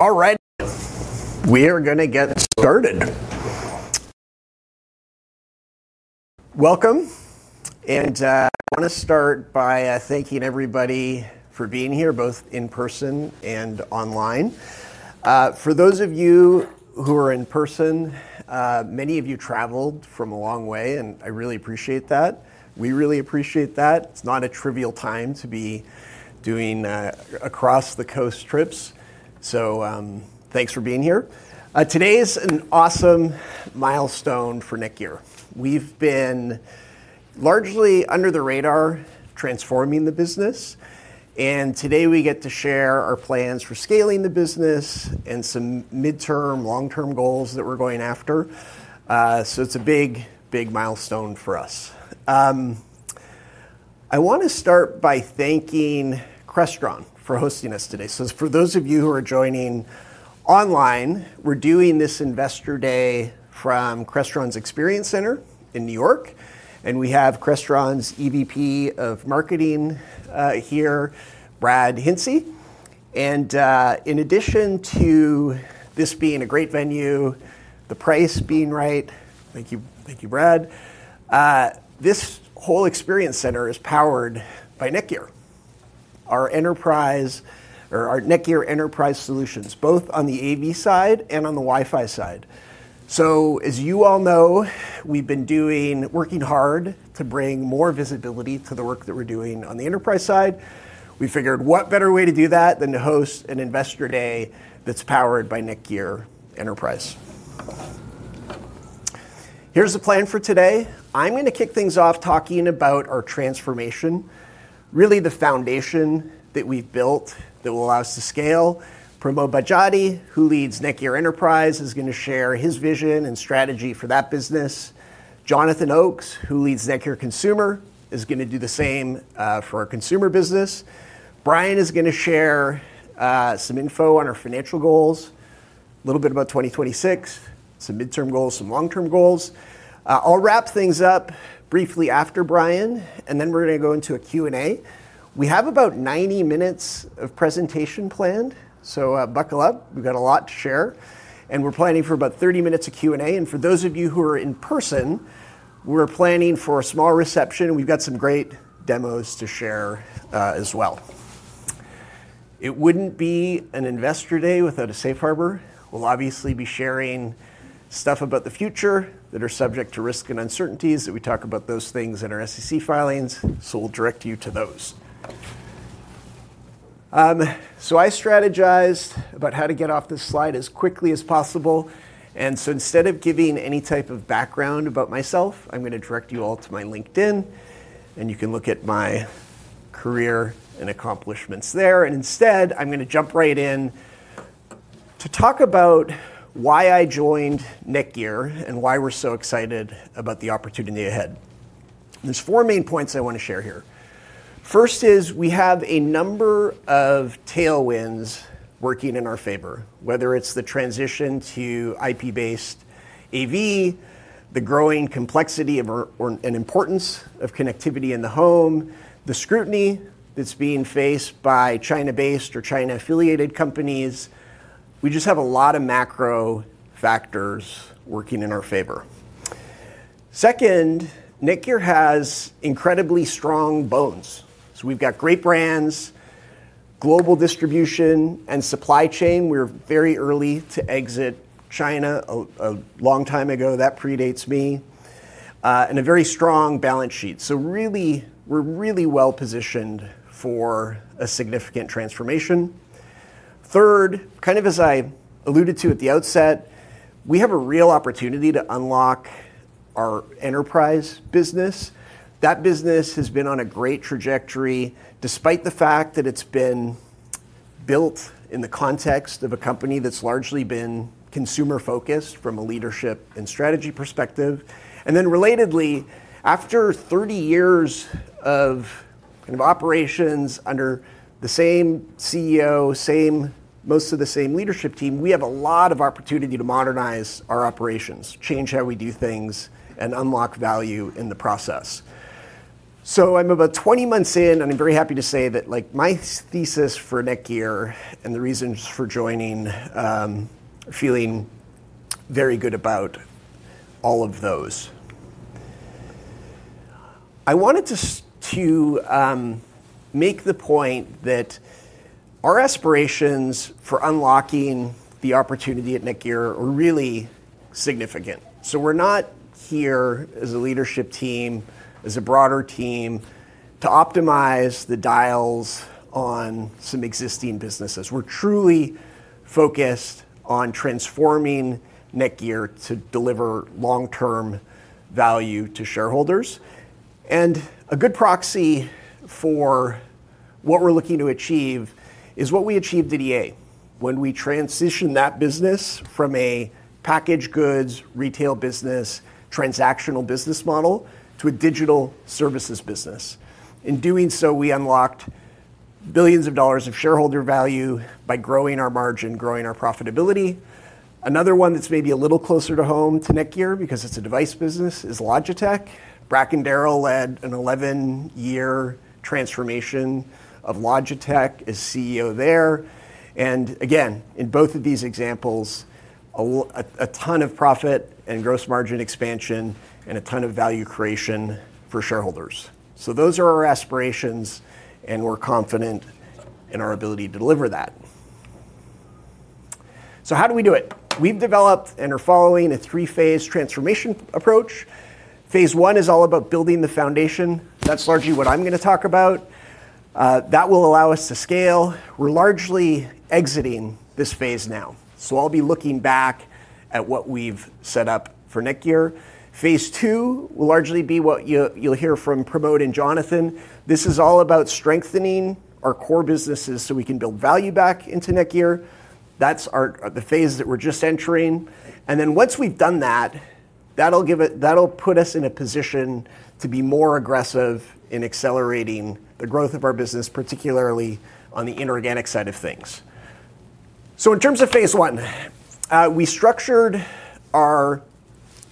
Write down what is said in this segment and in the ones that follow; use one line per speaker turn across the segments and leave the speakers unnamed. All right. We are going to get started. Welcome. I want to start by thanking everybody for being here, both in person and online. For those of you who are in person, many of you traveled from a long way, and I really appreciate that. We really appreciate that. It's not a trivial time to be doing across-the-coast trips. Thanks for being here. Today is an awesome milestone for NETGEAR. We've been largely under the radar, transforming the business. Today we get to share our plans for scaling the business and some midterm, long-term goals that we're going after. It's a big, big milestone for us. I want to start by thanking Crestron for hosting us today. For those of you who are joining online, we're doing this Investor Day from Crestron's Experience Center in New York. We have Crestron's EVP of Marketing here, Brad Hincy. In addition to this being a great venue, the price being right—thank you, Brad—this whole Experience Center is powered by NETGEAR, our NETGEAR Enterprise Solutions, both on the AV side and on the Wi-Fi side. As you all know, we've been working hard to bring more visibility to the work that we're doing on the Enterprise side. We figured what better way to do that than to host an Investor Day that's powered by NETGEAR Enterprise. Here's the plan for today. I'm going to kick things off talking about our transformation, really the foundation that we've built that will allow us to scale. Pramod Baheti, who leads NETGEAR Enterprise, is going to share his vision and strategy for that business. Jonathan Oakes, who leads NETGEAR Consumer, is going to do the same for our consumer business. Bryan is going to share some info on our financial goals, a little bit about 2026, some midterm goals, some long-term goals. I'll wrap things up briefly after Bryan, and then we're going to go into a Q&A. We have about 90 minutes of presentation planned, so buckle up. We've got a lot to share. We're planning for about 30 minutes of Q&A. For those of you who are in person, we're planning for a small reception. We've got some great demos to share as well. It wouldn't be an Investor Day without a safe harbor. We'll obviously be sharing stuff about the future that are subject to risk and uncertainties. We talk about those things in our SEC filings, so we'll direct you to those. I strategized about how to get off this slide as quickly as possible. Instead of giving any type of background about myself, I'm going to direct you all to my LinkedIn. You can look at my career and accomplishments there. Instead, I'm going to jump right in to talk about why I joined NETGEAR and why we're so excited about the opportunity ahead. There are four main points I want to share here. First is we have a number of tailwinds working in our favor, whether it's the transition to IP-based AV, the growing complexity and importance of connectivity in the home, the scrutiny that's being faced by China-based or China-affiliated companies. We just have a lot of macro factors working in our favor. Second, NETGEAR has incredibly strong bones. We've got great brands, global distribution, and supply chain. We were very early to exit China a long time ago. That predates me. And a very strong balance sheet. Really, we're really well positioned for a significant transformation. Third, kind of as I alluded to at the outset, we have a real opportunity to unlock our enterprise business. That business has been on a great trajectory despite the fact that it's been built in the context of a company that's largely been consumer-focused from a leadership and strategy perspective. Then relatedly, after 30 years of kind of operations under the same CEO, most of the same leadership team, we have a lot of opportunity to modernize our operations, change how we do things, and unlock value in the process. I'm about 20 months in, and I'm very happy to say that my thesis for NETGEAR and the reasons for joining feeling very good about all of those. I wanted to make the point that our aspirations for unlocking the opportunity at NETGEAR are really significant. We're not here as a leadership team, as a broader team, to optimize the dials on some existing businesses. We're truly focused on transforming NETGEAR to deliver long-term value to shareholders. A good proxy for what we're looking to achieve is what we achieved at EA when we transitioned that business from a packaged goods retail business, transactional business model to a digital services business. In doing so, we unlocked billions of dollars of shareholder value by growing our margin, growing our profitability. Another one that's maybe a little closer to home to NETGEAR, because it's a device business, is Logitech. Bracken Darrell led an 11-year transformation of Logitech as CEO there. Again, in both of these examples, a ton of profit and gross margin expansion and a ton of value creation for shareholders. Those are our aspirations, and we're confident in our ability to deliver that. How do we do it? We've developed and are following a three-phase transformation approach. Phase one is all about building the foundation. That's largely what I'm going to talk about. That will allow us to scale. We're largely exiting this phase now. I'll be looking back at what we've set up for NETGEAR. Phase two will largely be what you'll hear from Pramod and Jonathan. This is all about strengthening our core businesses so we can build value back into NETGEAR. That's the phase that we're just entering. Once we've done that, that'll put us in a position to be more aggressive in accelerating the growth of our business, particularly on the inorganic side of things. In terms of phase one, we structured our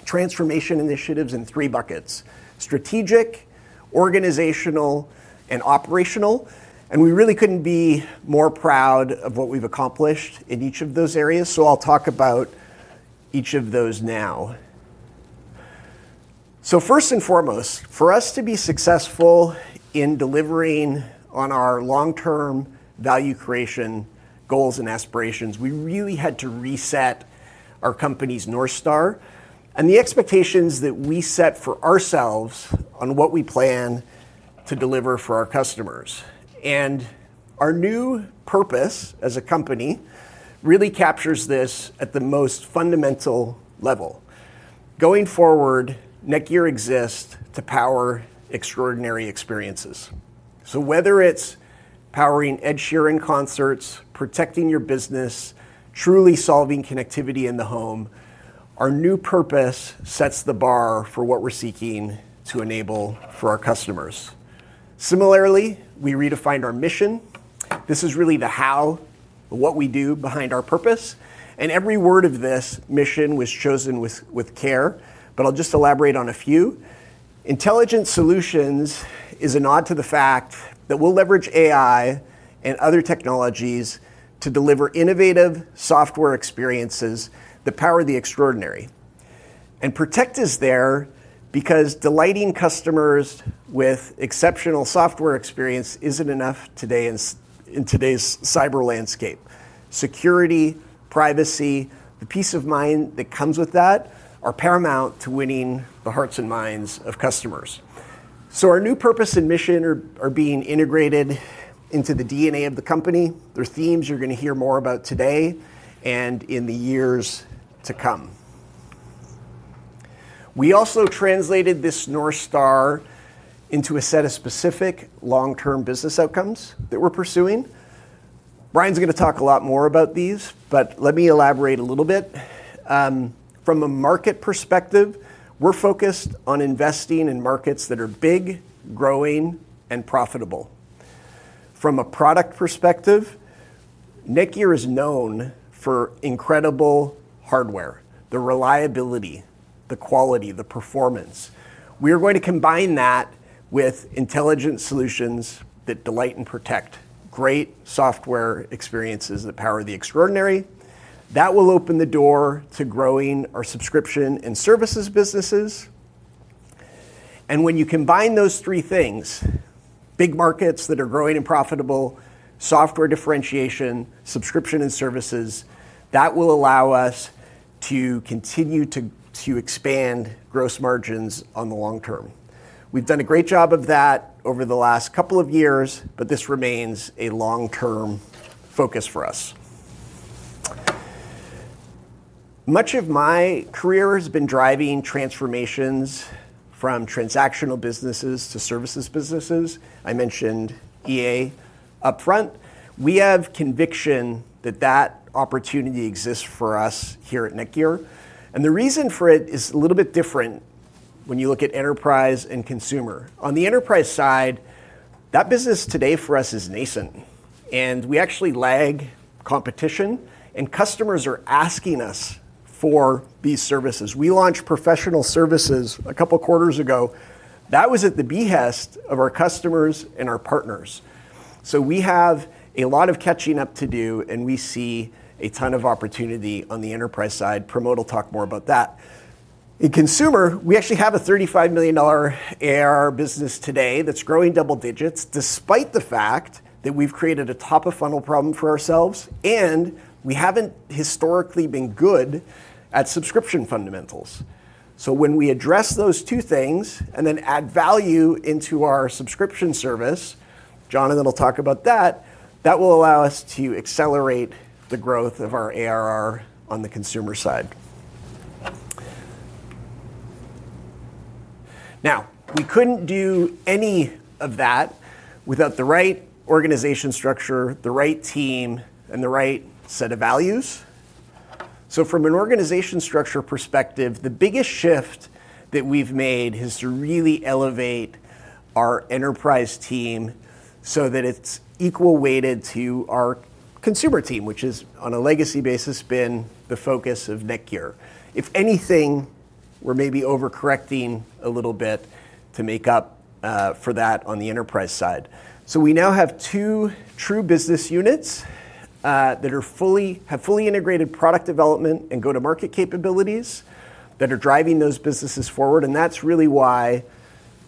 transformation initiatives in three buckets: strategic, organizational, and operational. We really could not be more proud of what we have accomplished in each of those areas. I will talk about each of those now. First and foremost, for us to be successful in delivering on our long-term value creation goals and aspirations, we really had to reset our company's North Star and the expectations that we set for ourselves on what we plan to deliver for our customers. Our new purpose as a company really captures this at the most fundamental level. Going forward, NETGEAR exists to power extraordinary experiences. Whether it is powering Ed Sheeran concerts, protecting your business, truly solving connectivity in the home, our new purpose sets the bar for what we are seeking to enable for our customers. Similarly, we redefined our mission. This is really the how, the what we do behind our purpose. Every word of this mission was chosen with care. I'll just elaborate on a few. Intelligent Solutions is a nod to the fact that we'll leverage AI and other technologies to deliver innovative software experiences that power the extraordinary. Protect is there because delighting customers with exceptional software experience isn't enough today in today's cyber landscape. Security, privacy, the peace of mind that comes with that are paramount to winning the hearts and minds of customers. Our new purpose and mission are being integrated into the DNA of the company. They're themes you're going to hear more about today and in the years to come. We also translated this North Star into a set of specific long-term business outcomes that we're pursuing. Bryan's going to talk a lot more about these, but let me elaborate a little bit. From a market perspective, we're focused on investing in markets that are big, growing, and profitable. From a product perspective, NETGEAR is known for incredible hardware, the reliability, the quality, the performance. We are going to combine that with intelligent solutions that delight and protect, great software experiences that power the extraordinary. That will open the door to growing our subscription and services businesses. When you combine those three things, big markets that are growing and profitable, software differentiation, subscription and services, that will allow us to continue to expand gross margins on the long term. We've done a great job of that over the last couple of years, but this remains a long-term focus for us. Much of my career has been driving transformations from transactional businesses to services businesses. I mentioned EA upfront. We have conviction that that opportunity exists for us here at NETGEAR. The reason for it is a little bit different when you look at enterprise and consumer. On the enterprise side, that business today for us is nascent. We actually lag competition, and customers are asking us for these services. We launched professional services a couple of quarters ago. That was at the behest of our customers and our partners. We have a lot of catching up to do, and we see a ton of opportunity on the enterprise side. Pramod will talk more about that. In consumer, we actually have a $35 million AR business today that's growing double digits despite the fact that we've created a top-of-funnel problem for ourselves, and we haven't historically been good at subscription fundamentals. When we address those two things and then add value into our subscription service, Jonathan will talk about that, that will allow us to accelerate the growth of our ARR on the consumer side. Now, we could not do any of that without the right organization structure, the right team, and the right set of values. From an organization structure perspective, the biggest shift that we have made is to really elevate our enterprise team so that it is equal weighted to our consumer team, which has on a legacy basis been the focus of NETGEAR. If anything, we are maybe overcorrecting a little bit to make up for that on the enterprise side. We now have two true business units that have fully integrated product development and go-to-market capabilities that are driving those businesses forward. That is really why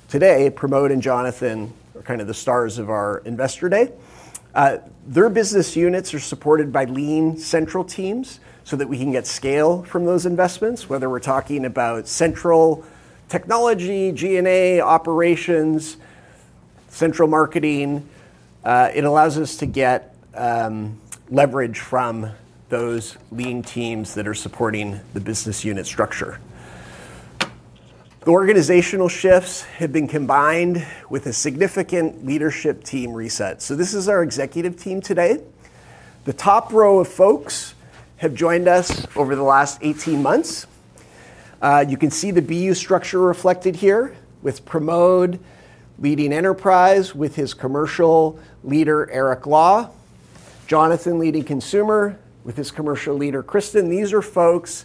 today, Pramod and Jonathan are kind of the stars of our Investor Day. Their business units are supported by lean central teams so that we can get scale from those investments, whether we are talking about central technology, G&A, operations, central marketing. It allows us to get leverage from those lean teams that are supporting the business unit structure. The organizational shifts have been combined with a significant leadership team reset. This is our executive team today. The top row of folks have joined us over the last 18 months. You can see the BU structure reflected here with Pramod leading enterprise with his commercial leader, Eric Law, Jonathan leading consumer with his commercial leader, Kristen. These are folks,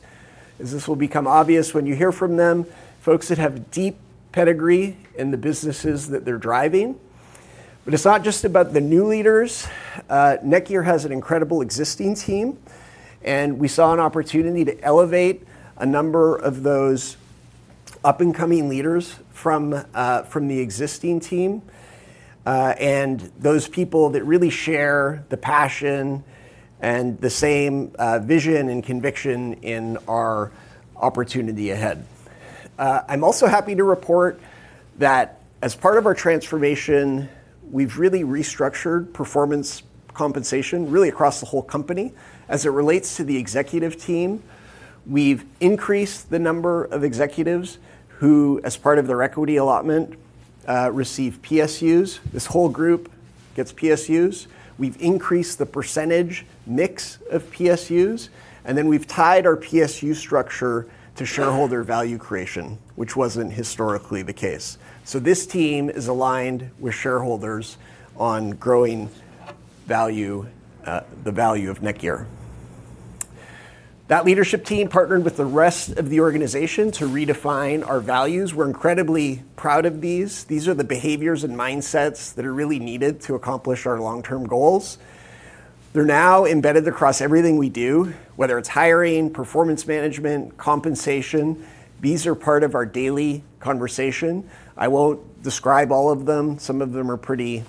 as this will become obvious when you hear from them, folks that have deep pedigree in the businesses that they are driving. It is not just about the new leaders. NETGEAR has an incredible existing team, and we saw an opportunity to elevate a number of those up-and-coming leaders from the existing team and those people that really share the passion and the same vision and conviction in our opportunity ahead. I'm also happy to report that as part of our transformation, we've really restructured performance compensation really across the whole company as it relates to the executive team. We've increased the number of executives who, as part of their equity allotment, receive PSUs. This whole group gets PSUs. We've increased the percentage mix of PSUs, and then we've tied our PSU structure to shareholder value creation, which was not historically the case. This team is aligned with shareholders on growing the value of NETGEAR. That leadership team partnered with the rest of the organization to redefine our values. We're incredibly proud of these. These are the behaviors and mindsets that are really needed to accomplish our long-term goals. They're now embedded across everything we do, whether it's hiring, performance management, compensation. These are part of our daily conversation. I won't describe all of them. Some of them are pretty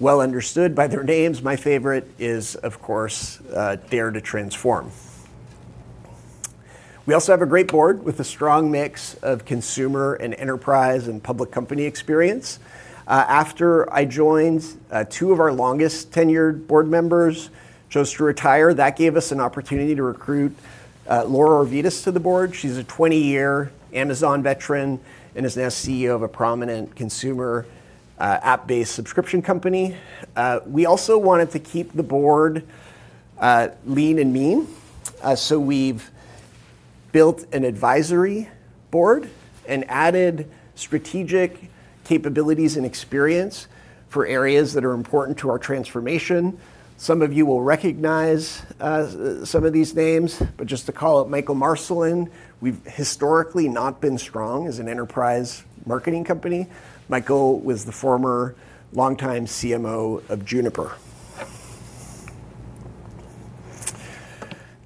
well understood by their names. My favorite is, of course, Dare to Transform. We also have a great board with a strong mix of consumer and enterprise and public company experience. After I joined, two of our longest tenured board members chose to retire. That gave us an opportunity to recruit Laura Orvitas to the board. She's a 20-year Amazon veteran and is now CEO of a prominent consumer app-based subscription company. We also wanted to keep the board lean and mean. We've built an advisory board and added strategic capabilities and experience for areas that are important to our transformation. Some of you will recognize some of these names, but just to call out Michael Marcellin, we've historically not been strong as an enterprise marketing company. Michael was the former longtime CMO of Juniper.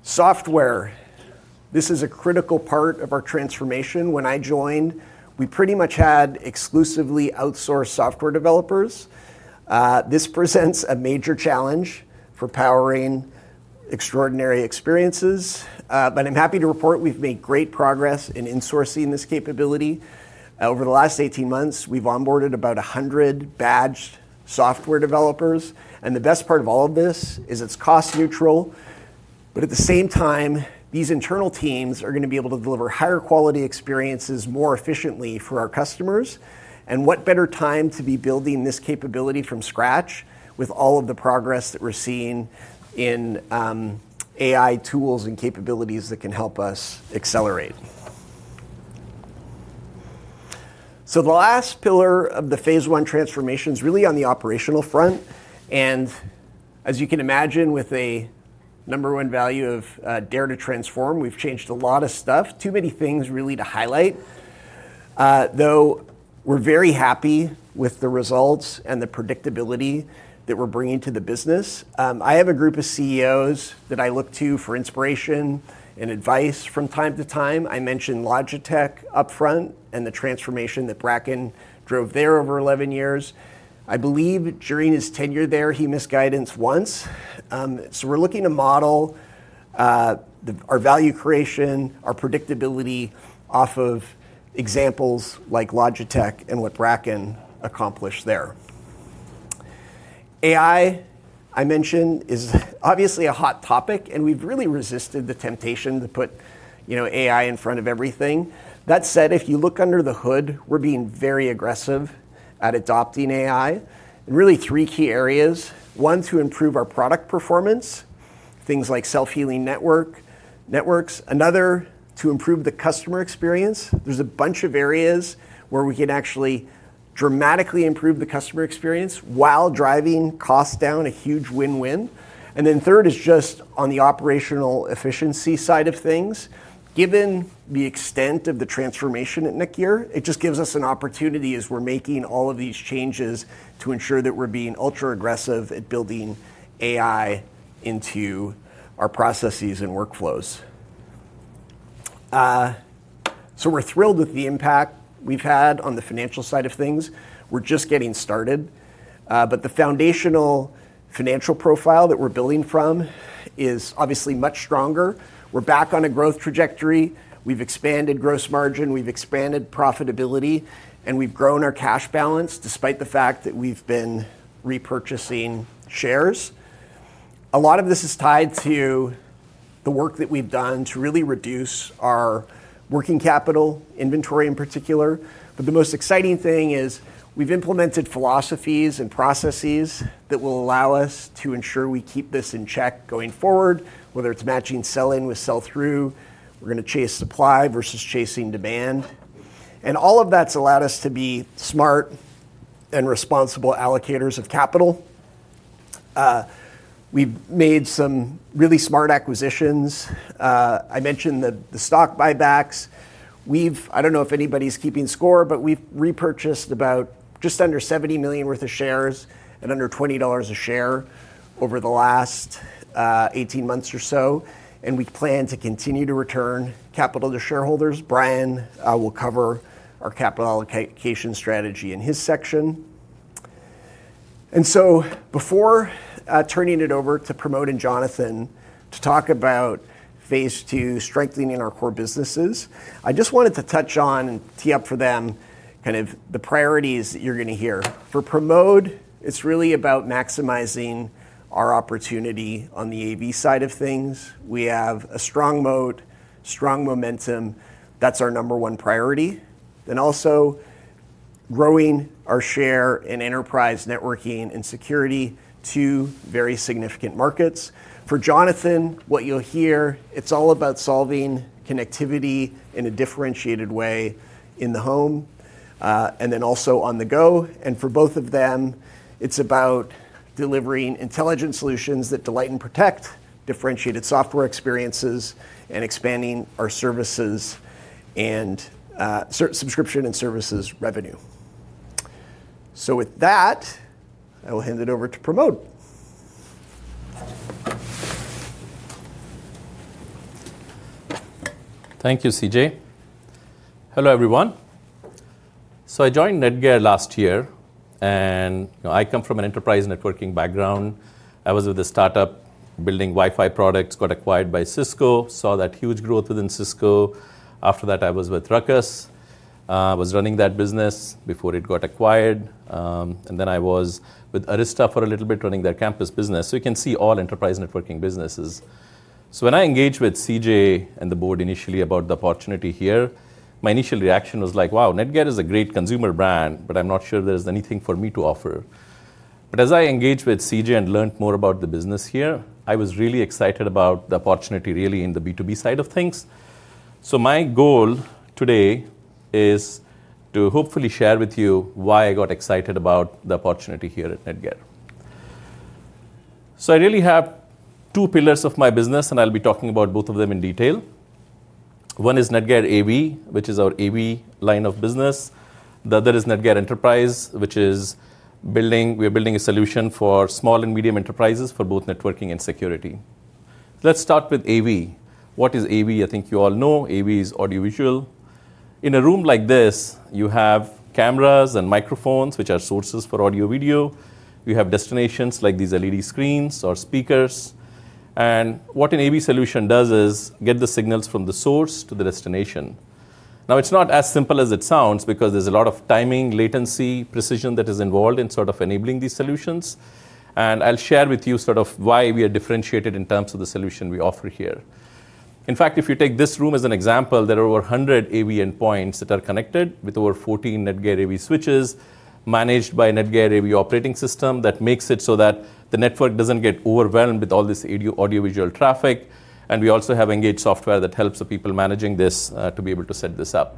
Software. This is a critical part of our transformation. When I joined, we pretty much had exclusively outsourced software developers. This presents a major challenge for powering extraordinary experiences. I'm happy to report we've made great progress in insourcing this capability. Over the last 18 months, we've onboarded about 100 badged software developers. The best part of all of this is it's cost neutral. At the same time, these internal teams are going to be able to deliver higher quality experiences more efficiently for our customers. What better time to be building this capability from scratch with all of the progress that we're seeing in AI tools and capabilities that can help us accelerate. The last pillar of the phase one transformation is really on the operational front. As you can imagine, with a number one value of Dare to Transform, we've changed a lot of stuff. Too many things really to highlight. Though we're very happy with the results and the predictability that we're bringing to the business. I have a group of CEOs that I look to for inspiration and advice from time to time. I mentioned Logitech upfront and the transformation that Bracken drove there over 11 years. I believe during his tenure there, he missed guidance once. We're looking to model our value creation, our predictability off of examples like Logitech and what Bracken accomplished there. AI, I mentioned, is obviously a hot topic, and we've really resisted the temptation to put AI in front of everything. That said, if you look under the hood, we're being very aggressive at adopting AI. And really three key areas. One to improve our product performance, things like self-healing networks. Another to improve the customer experience. There's a bunch of areas where we can actually dramatically improve the customer experience while driving costs down a huge win-win. And then third is just on the operational efficiency side of things. Given the extent of the transformation at NETGEAR, it just gives us an opportunity as we're making all of these changes to ensure that we're being ultra-aggressive at building AI into our processes and workflows. So we're thrilled with the impact we've had on the financial side of things. We're just getting started. The foundational financial profile that we're building from is obviously much stronger. We're back on a growth trajectory. We've expanded gross margin. We've expanded profitability, and we've grown our cash balance despite the fact that we've been repurchasing shares. A lot of this is tied to the work that we've done to really reduce our working capital inventory in particular. The most exciting thing is we've implemented philosophies and processes that will allow us to ensure we keep this in check going forward, whether it's matching sell-in with sell-through. We're going to chase supply versus chasing demand. All of that's allowed us to be smart and responsible allocators of capital. We've made some really smart acquisitions. I mentioned the stock buybacks. I don't know if anybody's keeping score, but we've repurchased about just under $70 million worth of shares at under $20 a share over the last 18 months or so. We plan to continue to return capital to shareholders. Bryan will cover our capital allocation strategy in his section. Before turning it over to Pramod and Jonathan to talk about phase two strengthening our core businesses, I just wanted to touch on and tee up for them kind of the priorities that you're going to hear. For Pramod, it's really about maximizing our opportunity on the AV side of things. We have a strong moat, strong momentum. That's our number one priority. Also growing our share in enterprise networking and security to very significant markets. For Jonathan, what you'll hear, it's all about solving connectivity in a differentiated way in the home and then also on the go. For both of them, it's about delivering intelligent solutions that delight and protect differentiated software experiences and expanding our services and subscription and services revenue. With that, I will hand it over to Pramod.
Thank you, CJ. Hello, everyone. I joined NETGEAR last year, and I come from an enterprise networking background. I was with a startup building Wi-Fi products, got acquired by Cisco, saw that huge growth within Cisco. After that, I was with Ruckus. I was running that business before it got acquired. I was with Arista for a little bit, running their campus business. You can see all enterprise networking businesses. When I engaged with CJ and the board initially about the opportunity here, my initial reaction was like, wow, NETGEAR is a great consumer brand, but I'm not sure there's anything for me to offer. As I engaged with CJ and learned more about the business here, I was really excited about the opportunity really in the B2B side of things. My goal today is to hopefully share with you why I got excited about the opportunity here at NETGEAR. I really have two pillars of my business, and I'll be talking about both of them in detail. One is NETGEAR AV, which is our AV line of business. The other is NETGEAR Enterprise, which is building a solution for small and medium enterprises for both networking and security. Let's start with AV. What is AV? I think you all know. AV is audiovisual. In a room like this, you have cameras and microphones, which are sources for audio-video. You have destinations like these LED screens or speakers. What an AV solution does is get the signals from the source to the destination. Now, it's not as simple as it sounds because there's a lot of timing, latency, precision that is involved in sort of enabling these solutions. I'll share with you sort of why we are differentiated in terms of the solution we offer here. In fact, if you take this room as an example, there are over 100 AV endpoints that are connected with over 14 NETGEAR AV switches managed by NETGEAR AV operating system that makes it so that the network doesn't get overwhelmed with all this audio-visual traffic. We also have Engage software that helps the people managing this to be able to set this up.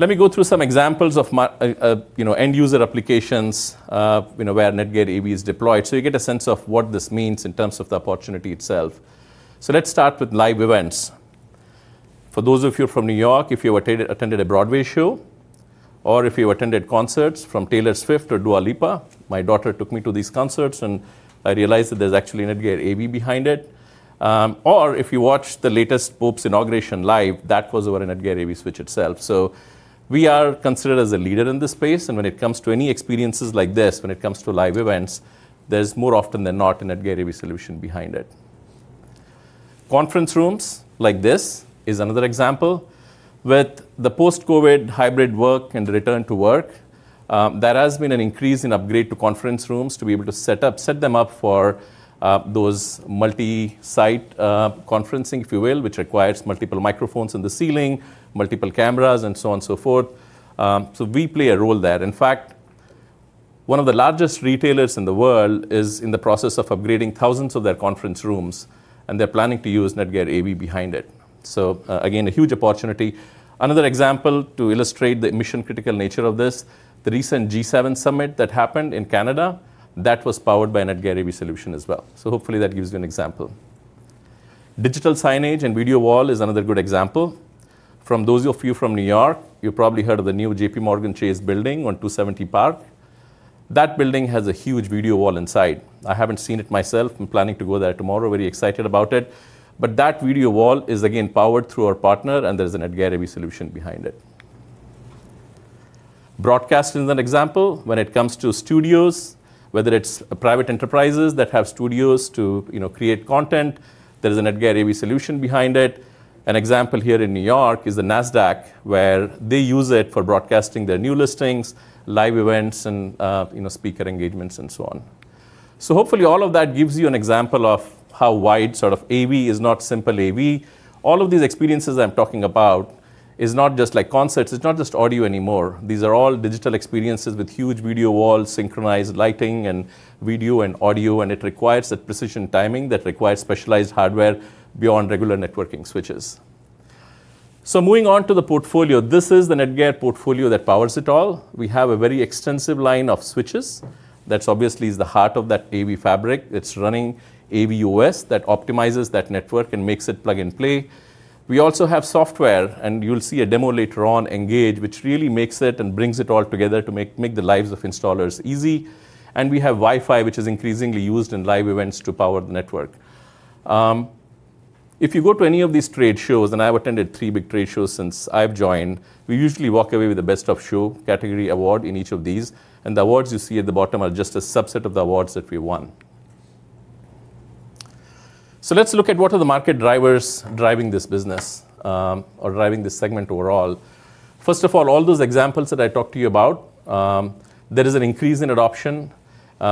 Let me go through some examples of end user applications where NETGEAR AV is deployed so you get a sense of what this means in terms of the opportunity itself. Let's start with live events. For those of you from New York, if you have attended a Broadway show or if you've attended concerts from Taylor Swift or Dua Lipa, my daughter took me to these concerts and I realized that there's actually NETGEAR AV behind it. If you watched the latest Pope's inauguration live, that was over a NETGEAR AV switch itself. We are considered as a leader in this space. When it comes to any experiences like this, when it comes to live events, there's more often than not a NETGEAR AV solution behind it. Conference rooms like this is another example. With the post-COVID hybrid work and return to work, there has been an increase in upgrade to conference rooms to be able to set them up for those multi-site conferencing, if you will, which requires multiple microphones in the ceiling, multiple cameras, and so on and so forth. We play a role there. In fact, one of the largest retailers in the world is in the process of upgrading thousands of their conference rooms, and they're planning to use NETGEAR AV behind it. Again, a huge opportunity. Another example to illustrate the mission-critical nature of this, the recent G7 summit that happened in Canada, that was powered by NETGEAR AV solution as well. Hopefully that gives you an example. Digital signage and video wall is another good example. For those of you from New York, you've probably heard of the new JPMorgan Chase building on 270 Park. That building has a huge video wall inside. I haven't seen it myself. I'm planning to go there tomorrow, very excited about it. That video wall is again powered through our partner, and there is a NETGEAR AV solution behind it. Broadcasting is an example. When it comes to studios, whether it's private enterprises that have studios to create content, there is a NETGEAR AV solution behind it. An example here in New York is the NASDAQ, where they use it for broadcasting their new listings, live events, and speaker engagements, and so on. Hopefully all of that gives you an example of how wide sort of AV is not simple AV. All of these experiences I'm talking about is not just like concerts. It's not just audio anymore. These are all digital experiences with huge video walls, synchronized lighting, and video and audio. It requires that precision timing that requires specialized hardware beyond regular networking switches. Moving on to the portfolio, this is the NETGEAR portfolio that powers it all. We have a very extensive line of switches. That obviously is the heart of that AV fabric. It's running AVOS that optimizes that network and makes it plug and play. We also have software, and you'll see a demo later on, Engage, which really makes it and brings it all together to make the lives of installers easy. We have Wi-Fi, which is increasingly used in live events to power the network. If you go to any of these trade shows, and I've attended three big trade shows since I've joined, we usually walk away with the best of show category award in each of these. The awards you see at the bottom are just a subset of the awards that we won. Let's look at what are the market drivers driving this business or driving this segment overall. First of all, all those examples that I talked to you about, there is an increase in adoption.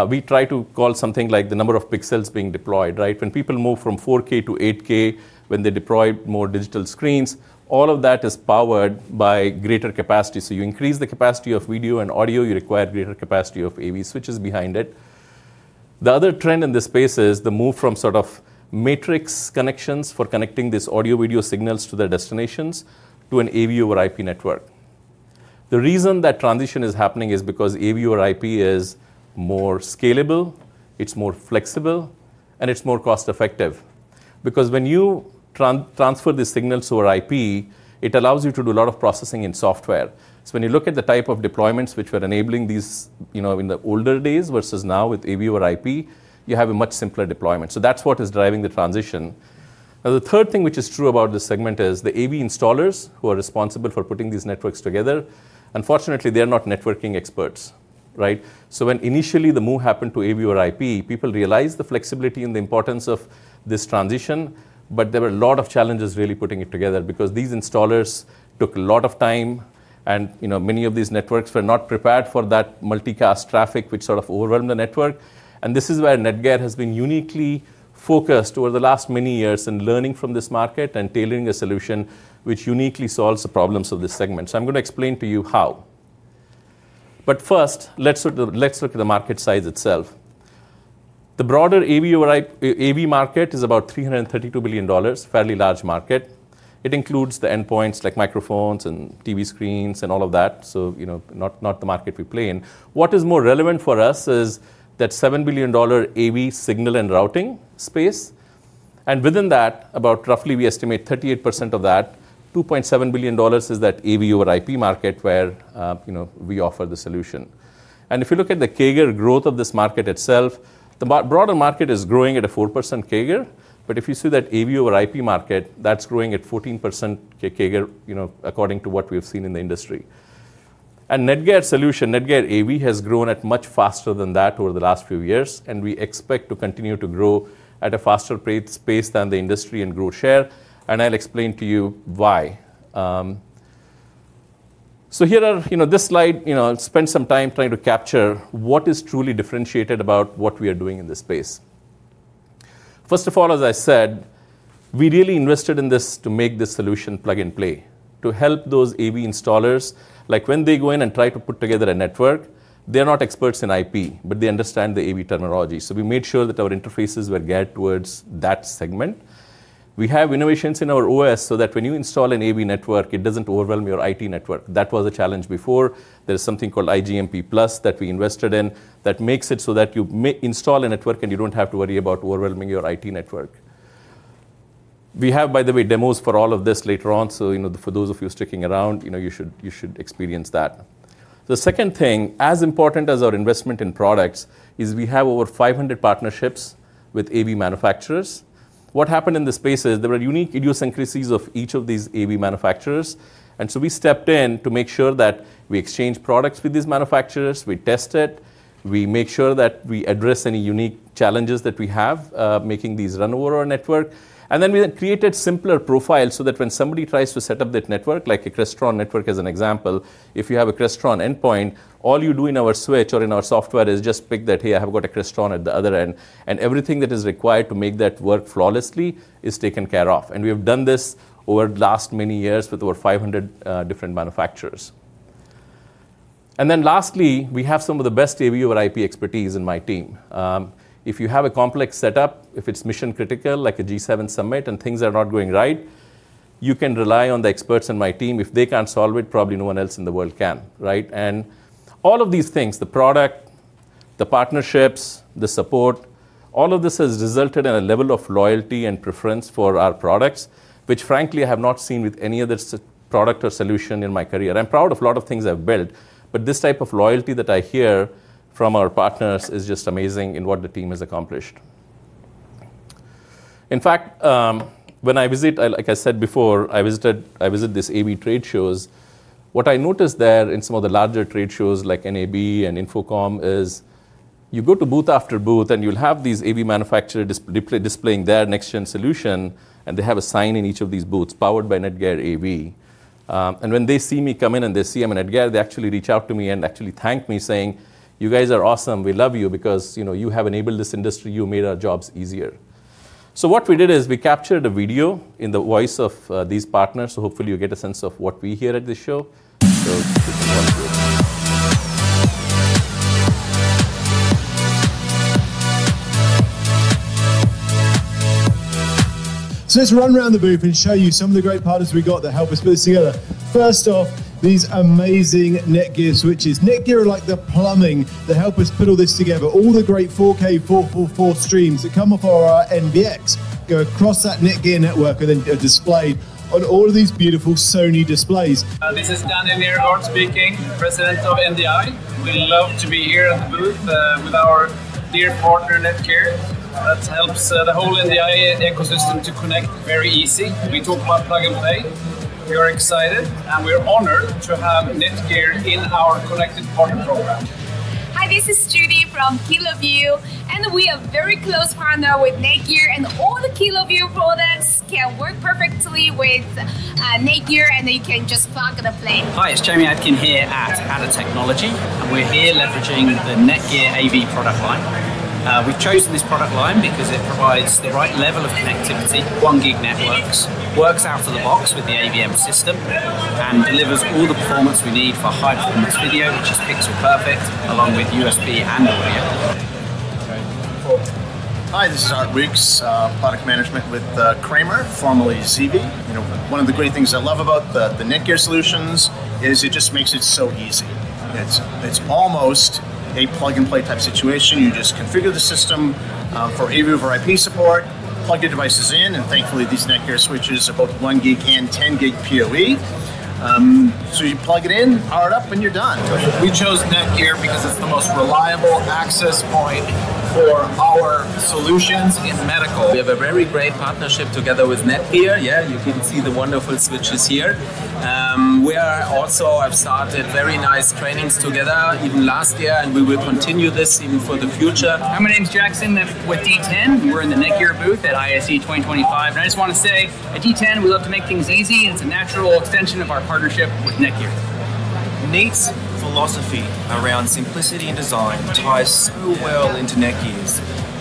We try to call something like the number of pixels being deployed, right? When people move from 4K to 8K, when they deploy more digital screens, all of that is powered by greater capacity. You increase the capacity of video and audio, you require greater capacity of AV switches behind it. The other trend in this space is the move from sort of matrix connections for connecting these audio-video signals to their destinations to an AV over IP network. The reason that transition is happening is because AV over IP is more scalable, it's more flexible, and it's more cost-effective. Because when you transfer the signals over IP, it allows you to do a lot of processing in software. When you look at the type of deployments which were enabling these in the older days versus now with AV over IP, you have a much simpler deployment. That's what is driving the transition. Now, the third thing which is true about this segment is the AV installers who are responsible for putting these networks together. Unfortunately, they are not networking experts, right? When initially the move happened to AV over IP, people realized the flexibility and the importance of this transition. There were a lot of challenges really putting it together because these installers took a lot of time. Many of these networks were not prepared for that multicast traffic, which sort of overwhelmed the network. This is where NETGEAR has been uniquely focused over the last many years in learning from this market and tailoring a solution which uniquely solves the problems of this segment. I'm going to explain to you how. First, let's look at the market size itself. The broader AV market is about $332 billion, fairly large market. It includes the endpoints like microphones and TV screens and all of that. Not the market we play in. What is more relevant for us is that $7 billion AV signal and routing space. Within that, about roughly we estimate 38% of that, $2.7 billion is that AV over IP market where we offer the solution. If you look at the CAGR growth of this market itself, the broader market is growing at a 4% CAGR. If you see that AV over IP market, that's growing at 14% CAGR according to what we have seen in the industry. NETGEAR solution, NETGEAR AV has grown at much faster than that over the last few years. We expect to continue to grow at a faster pace than the industry and grow share. I'll explain to you why. This slide spends some time trying to capture what is truly differentiated about what we are doing in this space. First of all, as I said, we really invested in this to make this solution plug and play to help those AV installers. Like when they go in and try to put together a network, they're not experts in IP, but they understand the AV terminology. We made sure that our interfaces were geared towards that segment. We have innovations in our OS so that when you install an AV network, it doesn't overwhelm your IT network. That was a challenge before. There is something called IGMP Plus that we invested in that makes it so that you install a network and you don't have to worry about overwhelming your IT network. We have, by the way, demos for all of this later on. For those of you sticking around, you should experience that. The second thing, as important as our investment in products, is we have over 500 partnerships with AV manufacturers. What happened in this space is there were unique idiosyncrasies of each of these AV manufacturers. We stepped in to make sure that we exchange products with these manufacturers. We test it. We make sure that we address any unique challenges that we have making these run over our network. We created simpler profiles so that when somebody tries to set up that network, like a Crestron network as an example, if you have a Crestron endpoint, all you do in our switch or in our software is just pick that, hey, I've got a Crestron at the other end. Everything that is required to make that work flawlessly is taken care of. We have done this over the last many years with over 500 different manufacturers. Lastly, we have some of the best AV over IP expertise in my team. If you have a complex setup, if it is mission-critical like a G7 summit and things are not going right, you can rely on the experts in my team. If they cannot solve it, probably no one else in the world can, right? All of these things, the product, the partnerships, the support, all of this has resulted in a level of loyalty and preference for our products, which frankly, I have not seen with any other product or solution in my career. I am proud of a lot of things I have built. This type of loyalty that I hear from our partners is just amazing in what the team has accomplished. In fact, when I visit, like I said before, I visited these AV trade shows. What I noticed there in some of the larger trade shows like NAB and Infocom is you go to booth after booth, and you'll have these AV manufacturers displaying their next-gen solution. They have a sign in each of these booths powered by NETGEAR AV. When they see me come in and they see I'm at NETGEAR, they actually reach out to me and actually thank me saying, "You guys are awesome. We love you because you have enabled this industry. You made our jobs easier." What we did is we captured a video in the voice of these partners. Hopefully you get a sense of what we hear at this show. Thank you for watching. Let's run around the booth and show you some of the great partners we got that help us put this together. First off, these amazing NETGEAR switches. NETGEAR are like the plumbing that help us put all this together. All the great 4K, 444 streams that come off our NBX go across that NETGEAR network and then get displayed on all of these beautiful Sony displays. This is Daniel Mirador speaking, president of NDI. We love to be here at the booth with our dear partner NETGEAR. That helps the whole NDI ecosystem to connect very easy. We talk about plug and play. We are excited, and we are honored to have NETGEAR in our connected partner program. Hi, this is Judy from KeyLoveU. We are a very close partner with NETGEAR, and all the KeyLoveU products can work perfectly with NETGEAR, and you can just plug and play. Hi, it's Jamie Atkin here at Adder Technology. We're here leveraging the NETGEAR AV product line. We've chosen this product line because it provides the right level of connectivity, 1 gig networks, works out of the box with the AVM system, and delivers all the performance we need for high-performance video, which is pixel perfect, along with USB and audio. Hi, this is Art Rooks, product management with Kramer, formerly Zeevy. One of the great things I love about the NETGEAR solutions is it just makes it so easy. It's almost a plug and play type situation. You just configure the system for AV over IP support, plug your devices in, and thankfully these NETGEAR switches are both 1 gig and 10 gig PoE. You plug it in, power it up, and you're done. We chose NETGEAR because it's the most reliable access point for our solutions in medical. We have a very great partnership together with NETGEAR. You can see the wonderful switches here. We have also started very nice trainings together even last year, and we will continue this even for the future. My name's Jackson with D10. We're in the NETGEAR booth at ISE 2025. I just want to say at D10, we love to make things easy, and it's a natural extension of our partnership with NETGEAR. Nate's philosophy around simplicity and design ties so well into NETGEAR's.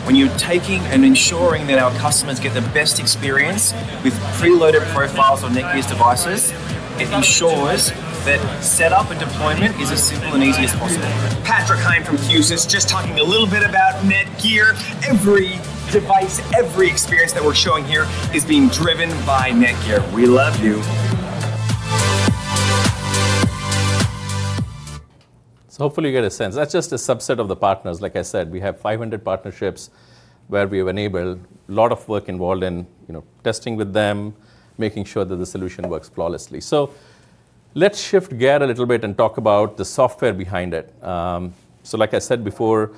When you're taking and ensuring that our customers get the best experience with preloaded profiles on NETGEAR's devices, it ensures that setup and deployment is as simple and easy as possible. Patrick Hayne from QSYS just talking a little bit about NETGEAR. Every device, every experience that we're showing here is being driven by NETGEAR. We love you. Hopefully you get a sense. That's just a subset of the partners. Like I said, we have 500 partnerships where we have enabled a lot of work involved in testing with them, making sure that the solution works flawlessly. Let's shift gear a little bit and talk about the software behind it. Like I said before,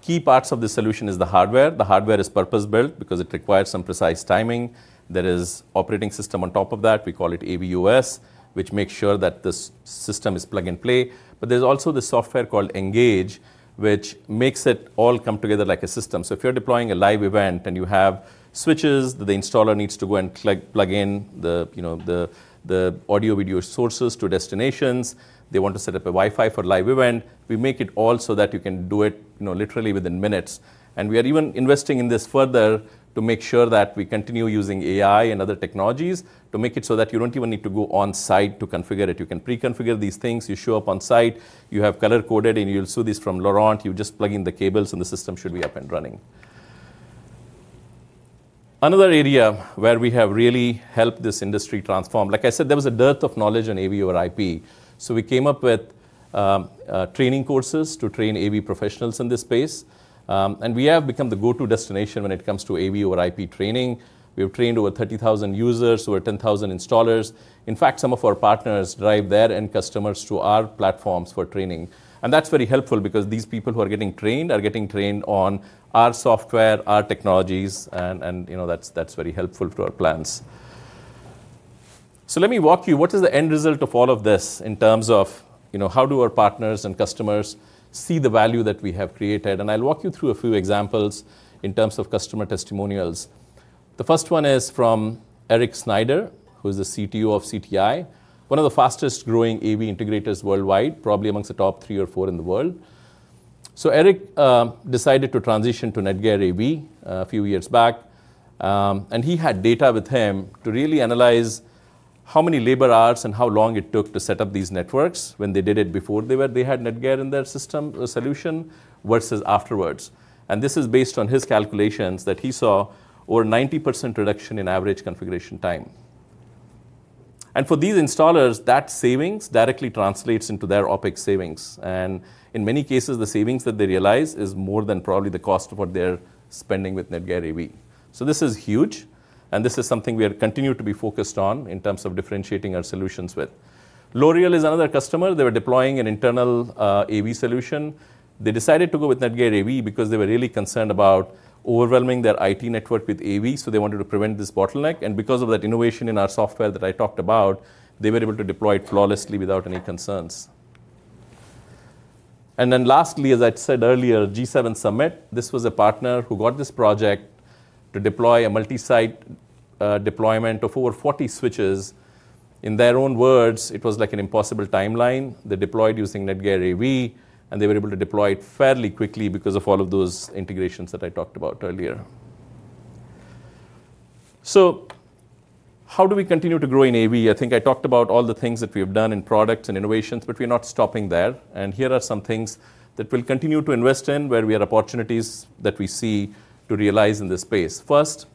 key parts of the solution is the hardware. The hardware is purpose-built because it requires some precise timing. There is operating system on top of that. We call it AVOS, which makes sure that the system is plug and play. There is also the software called Engage, which makes it all come together like a system. If you are deploying a live event and you have switches, the installer needs to go and plug in the audio-video sources to destinations. They want to set up a Wi-Fi for live event. We make it all so that you can do it literally within minutes. We are even investing in this further to make sure that we continue using AI and other technologies to make it so that you do not even need to go on site to configure it. You can pre-configure these things. You show up on site. You have color-coded, and you will see this from Laurent. You just plug in the cables, and the system should be up and running. Another area where we have really helped this industry transform. Like I said, there was a dearth of knowledge on AV over IP. We came up with training courses to train AV professionals in this space. We have become the go-to destination when it comes to AV over IP training. We have trained over 30,000 users, over 10,000 installers. In fact, some of our partners drive their end customers to our platforms for training. That is very helpful because these people who are getting trained are getting trained on our software, our technologies, and that is very helpful to our plans. Let me walk you. What is the end result of all of this in terms of how do our partners and customers see the value that we have created? I will walk you through a few examples in terms of customer testimonials. The first one is from Eric Snyder, who is the CTO of CTI, one of the fastest-growing AV integrators worldwide, probably amongst the top three or four in the world. Eric decided to transition to NETGEAR AV a few years back. He had data with him to really analyze how many labor hours and how long it took to set up these networks when they did it before they had NETGEAR in their system solution versus afterwards. This is based on his calculations that he saw over 90% reduction in average configuration time. For these installers, that savings directly translates into their opEx savings. In many cases, the savings that they realize is more than probably the cost of what they're spending with NETGEAR AV. This is huge. This is something we have continued to be focused on in terms of differentiating our solutions with. L'Oreal is another customer. They were deploying an internal AV solution. They decided to go with NETGEAR AV because they were really concerned about overwhelming their IT network with AV. They wanted to prevent this bottleneck. Because of that innovation in our software that I talked about, they were able to deploy it flawlessly without any concerns. Lastly, as I said earlier, G7 Summit. This was a partner who got this project to deploy a multi-site deployment of over 40 switches. In their own words, it was like an impossible timeline. They deployed using NETGEAR AV, and they were able to deploy it fairly quickly because of all of those integrations that I talked about earlier. How do we continue to grow in AV? I think I talked about all the things that we have done in products and innovations, but we're not stopping there. Here are some things that we'll continue to invest in where we have opportunities that we see to realize in this space. First,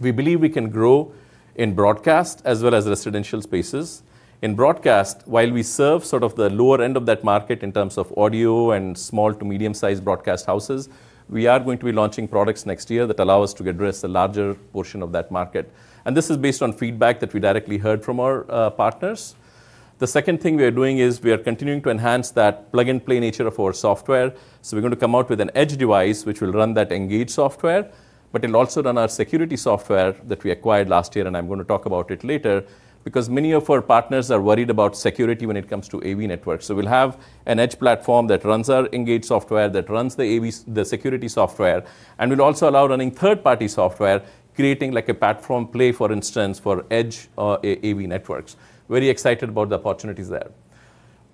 we believe we can grow in broadcast as well as residential spaces. In broadcast, while we serve sort of the lower end of that market in terms of audio and small to medium-sized broadcast houses, we are going to be launching products next year that allow us to address a larger portion of that market. This is based on feedback that we directly heard from our partners. The second thing we are doing is we are continuing to enhance that plug and play nature of our software. We're going to come out with an edge device which will run that Engage software, but it'll also run our security software that we acquired last year. I'm going to talk about it later because many of our partners are worried about security when it comes to AV networks. We'll have an edge platform that runs our Engage software that runs the security software. We'll also allow running third-party software, creating like a platform play, for instance, for edge AV networks. Very excited about the opportunities there.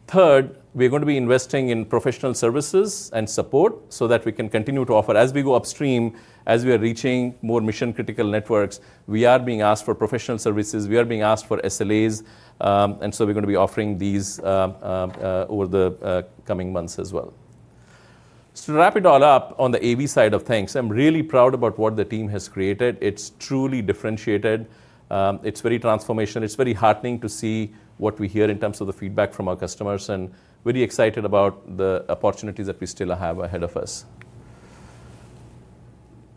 Third, we're going to be investing in professional services and support so that we can continue to offer as we go upstream, as we are reaching more mission-critical networks, we are being asked for professional services. We are being asked for SLAs. We're going to be offering these over the coming months as well. To wrap it all up on the AV side of things, I'm really proud about what the team has created. It's truly differentiated. It's very transformational. It's very heartening to see what we hear in terms of the feedback from our customers. I'm very excited about the opportunities that we still have ahead of us.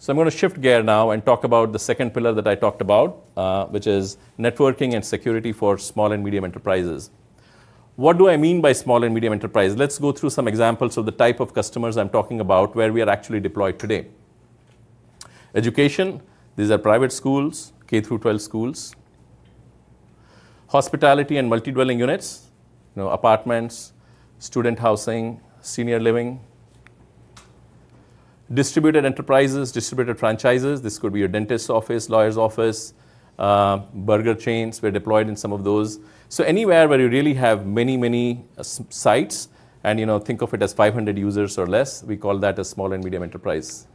I'm going to shift gear now and talk about the second pillar that I talked about, which is networking and security for small and medium enterprises. What do I mean by small and medium enterprise? Let's go through some examples of the type of customers I'm talking about where we are actually deployed today. Education. These are private schools, K through 12 schools. Hospitality and multi-dwelling units, apartments, student housing, senior living. Distributed enterprises, distributed franchises. This could be a dentist's office, lawyer's office, burger chains. We're deployed in some of those. Anywhere where you really have many, many sites and think of it as 500 users or less, we call that a small and medium enterprise.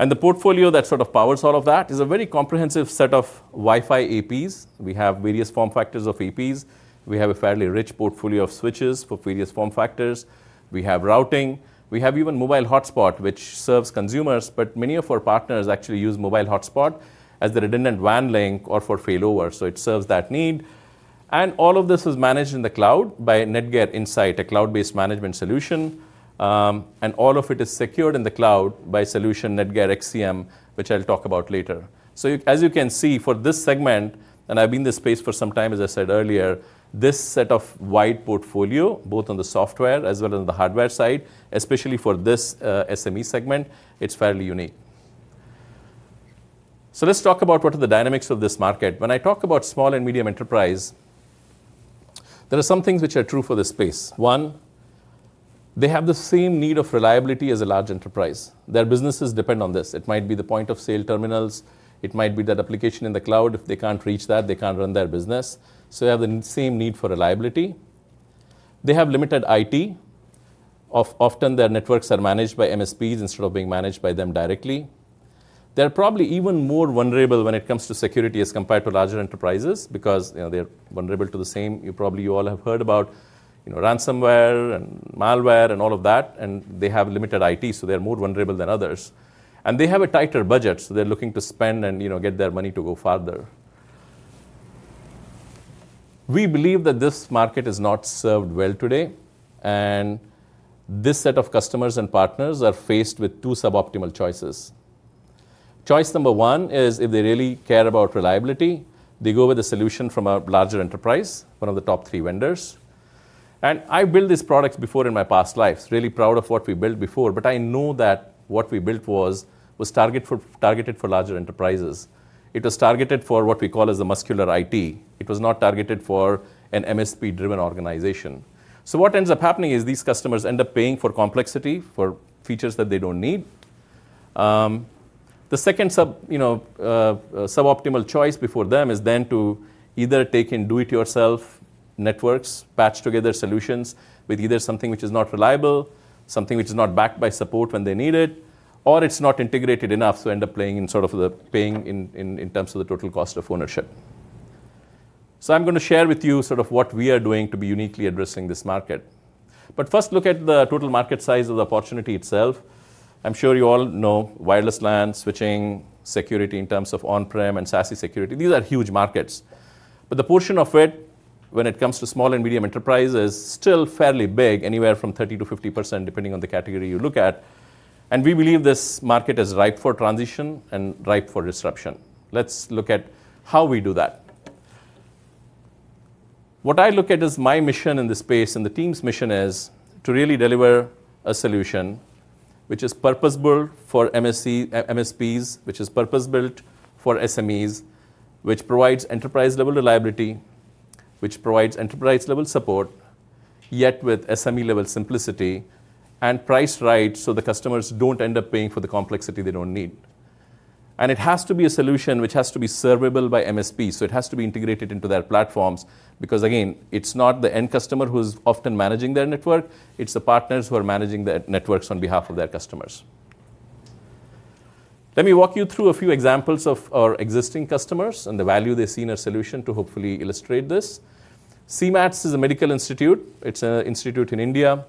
The portfolio that sort of powers all of that is a very comprehensive set of Wi-Fi APs. We have various form factors of APs. We have a fairly rich portfolio of switches for various form factors. We have routing. We have even mobile hotspot, which serves consumers. Many of our partners actually use mobile hotspot as the redundant WAN link or for failover. It serves that need. All of this is managed in the cloud by NETGEAR Insight, a cloud-based management solution. All of it is secured in the cloud by solution NETGEAR XCM, which I'll talk about later. As you can see for this segment, and I've been in this space for some time, as I said earlier, this set of wide portfolio, both on the software as well as the hardware side, especially for this SME segment, it's fairly unique. Let's talk about what are the dynamics of this market. When I talk about small and medium enterprise, there are some things which are true for the space. One, they have the same need of reliability as a large enterprise. Their businesses depend on this. It might be the point of sale terminals. It might be that application in the cloud. If they can't reach that, they can't run their business. They have the same need for reliability. They have limited IT. Often, their networks are managed by MSPs instead of being managed by them directly. They're probably even more vulnerable when it comes to security as compared to larger enterprises because they're vulnerable to the same. You probably all have heard about ransomware and malware and all of that. They have limited IT. They're more vulnerable than others. They have a tighter budget. They're looking to spend and get their money to go farther. We believe that this market is not served well today. This set of customers and partners are faced with two suboptimal choices. Choice number one is if they really care about reliability, they go with a solution from a larger enterprise, one of the top three vendors. I've built these products before in my past lives. Really proud of what we built before. I know that what we built was targeted for larger enterprises. It was targeted for what we call as the muscular IT. It was not targeted for an MSP-driven organization. What ends up happening is these customers end up paying for complexity for features that they do not need. The second suboptimal choice before them is then to either take in do-it-yourself networks, patch together solutions with either something which is not reliable, something which is not backed by support when they need it, or it is not integrated enough to end up playing in sort of the paying in terms of the total cost of ownership. I am going to share with you sort of what we are doing to be uniquely addressing this market. First, look at the total market size of the opportunity itself. I am sure you all know wireless LAN switching, security in terms of on-prem and SASE security. These are huge markets. The portion of it when it comes to small and medium enterprise is still fairly big, anywhere from 30%-50%, depending on the category you look at. We believe this market is ripe for transition and ripe for disruption. Let's look at how we do that. What I look at as my mission in this space and the team's mission is to really deliver a solution which is purpose-built for MSPs, which is purpose-built for SMEs, which provides enterprise-level reliability, which provides enterprise-level support, yet with SME-level simplicity and price right so the customers don't end up paying for the complexity they don't need. It has to be a solution which has to be servable by MSP. It has to be integrated into their platforms because, again, it's not the end customer who is often managing their network. It's the partners who are managing their networks on behalf of their customers. Let me walk you through a few examples of our existing customers and the value they see in our solution to hopefully illustrate this. CMATS is a medical institute. It's an institute in India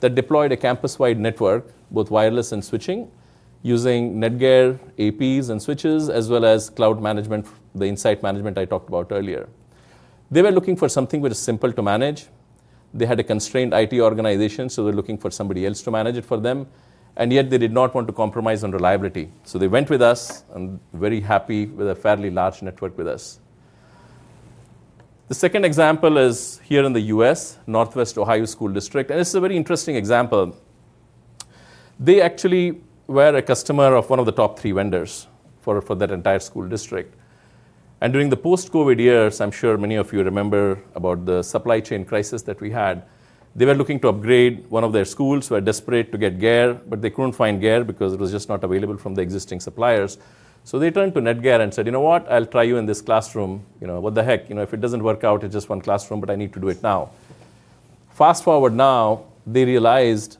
that deployed a campus-wide network, both wireless and switching, using NETGEAR APs and switches as well as cloud management, the Insight management I talked about earlier. They were looking for something which is simple to manage. They had a constrained IT organization. They were looking for somebody else to manage it for them. Yet, they did not want to compromise on reliability. They went with us and are very happy with a fairly large network with us. The second example is here in the U.S., Northwest Ohio School District. It's a very interesting example. They actually were a customer of one of the top three vendors for that entire school district. During the post-COVID years, I'm sure many of you remember about the supply chain crisis that we had. They were looking to upgrade one of their schools. They were desperate to get GEAR, but they couldn't find GEAR because it was just not available from the existing suppliers. They turned to NETGEAR and said, "You know what? I'll try you in this classroom. What the heck? If it doesn't work out, it's just one classroom, but I need to do it now." Fast forward now, they realized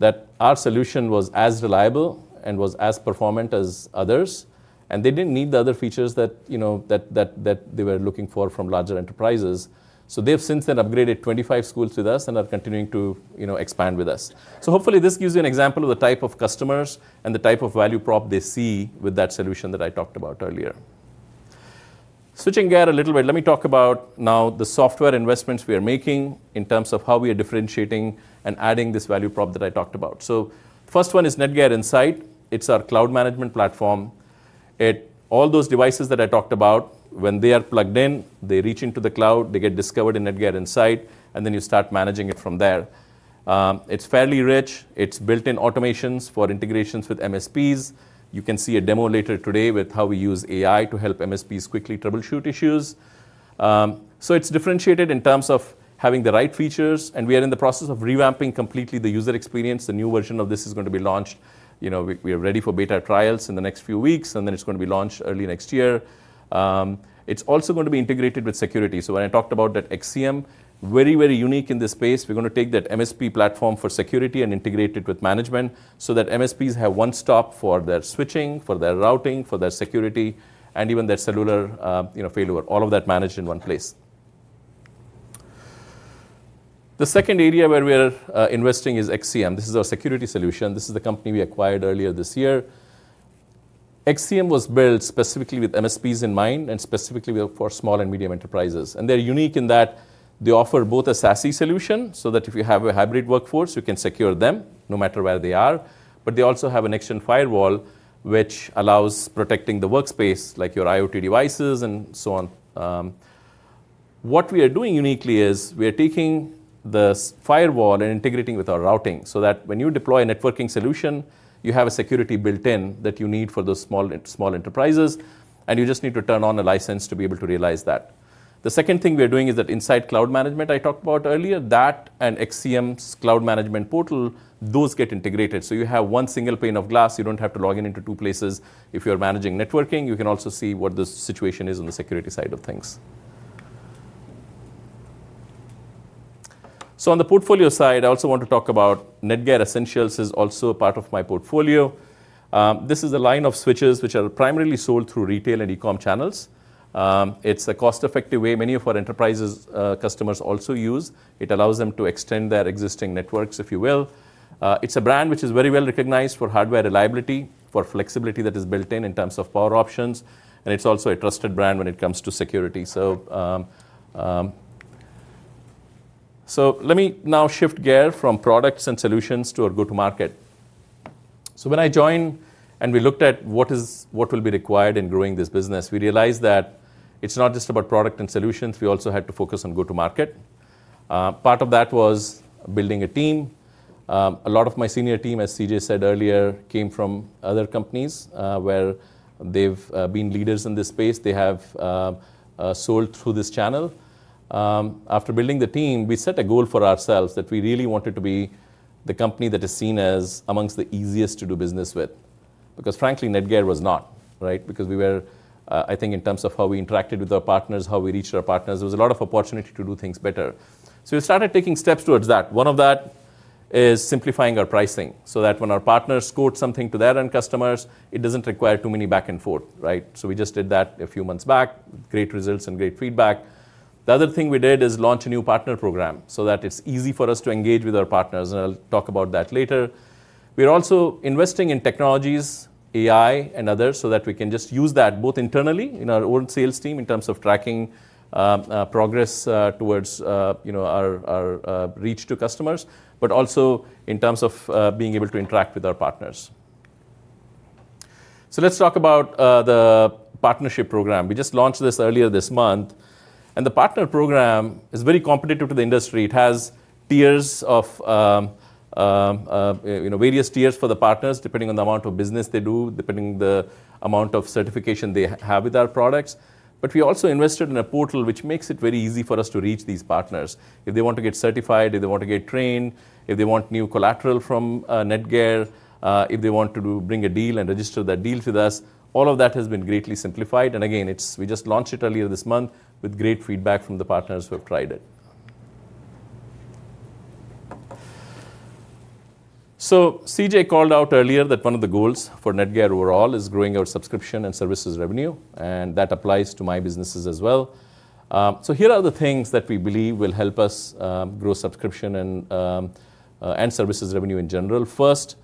that our solution was as reliable and was as performant as others. They didn't need the other features that they were looking for from larger enterprises. They've since then upgraded 25 schools with us and are continuing to expand with us. Hopefully, this gives you an example of the type of customers and the type of value prop they see with that solution that I talked about earlier. Switching gear a little bit, let me talk about now the software investments we are making in terms of how we are differentiating and adding this value prop that I talked about. The first one is NETGEAR Insight. It's our cloud management platform. All those devices that I talked about, when they are plugged in, they reach into the cloud. They get discovered in NETGEAR Insight. Then you start managing it from there. It's fairly rich. It's built-in automations for integrations with MSPs. You can see a demo later today with how we use AI to help MSPs quickly troubleshoot issues. It's differentiated in terms of having the right features. We are in the process of revamping completely the user experience. The new version of this is going to be launched. We are ready for beta trials in the next few weeks. It is going to be launched early next year. It is also going to be integrated with security. When I talked about that XCM, very, very unique in this space, we are going to take that MSP platform for security and integrate it with management so that MSPs have one stop for their switching, for their routing, for their security, and even their cellular failover, all of that managed in one place. The second area where we are investing is XCM. This is our security solution. This is the company we acquired earlier this year. XCM was built specifically with MSPs in mind and specifically for small and medium enterprises. They're unique in that they offer both a SASE solution so that if you have a hybrid workforce, you can secure them no matter where they are. They also have an extra firewall which allows protecting the workspace, like your IoT devices and so on. What we are doing uniquely is we are taking the firewall and integrating with our routing so that when you deploy a networking solution, you have a security built-in that you need for those small enterprises. You just need to turn on a license to be able to realize that. The second thing we are doing is that inside cloud management I talked about earlier, that and XCM's cloud management portal, those get integrated. You have one single pane of glass. You do not have to log in into two places. If you're managing networking, you can also see what the situation is on the security side of things. On the portfolio side, I also want to talk about NETGEAR Essentials is also a part of my portfolio. This is a line of switches which are primarily sold through retail and e-com channels. It's a cost-effective way many of our enterprises' customers also use. It allows them to extend their existing networks, if you will. It's a brand which is very well recognized for hardware reliability, for flexibility that is built-in in terms of power options. It's also a trusted brand when it comes to security. Let me now shift gear from products and solutions to our go-to-market. When I joined and we looked at what will be required in growing this business, we realized that it's not just about product and solutions. We also had to focus on go-to-market. Part of that was building a team. A lot of my senior team, as CJ said earlier, came from other companies where they've been leaders in this space. They have sold through this channel. After building the team, we set a goal for ourselves that we really wanted to be the company that is seen as amongst the easiest to do business with. Because frankly, NETGEAR was not, right? Because we were, I think, in terms of how we interacted with our partners, how we reached our partners, there was a lot of opportunity to do things better. We started taking steps towards that. One of that is simplifying our pricing so that when our partners quote something to their end customers, it doesn't require too many back and forth, right? We just did that a few months back, great results and great feedback. The other thing we did is launch a new partner program so that it's easy for us to engage with our partners. I'll talk about that later. We're also investing in technologies, AI, and others so that we can just use that both internally in our own sales team in terms of tracking progress towards our reach to customers, but also in terms of being able to interact with our partners. Let's talk about the partnership program. We just launched this earlier this month. The partner program is very competitive to the industry. It has various tiers for the partners depending on the amount of business they do, depending on the amount of certification they have with our products. We also invested in a portal which makes it very easy for us to reach these partners. If they want to get certified, if they want to get trained, if they want new collateral from NETGEAR, if they want to bring a deal and register that deal with us, all of that has been greatly simplified. We just launched it earlier this month with great feedback from the partners who have tried it. CJ called out earlier that one of the goals for NETGEAR overall is growing our subscription and services revenue. That applies to my businesses as well. Here are the things that we believe will help us grow subscription and services revenue in general. First,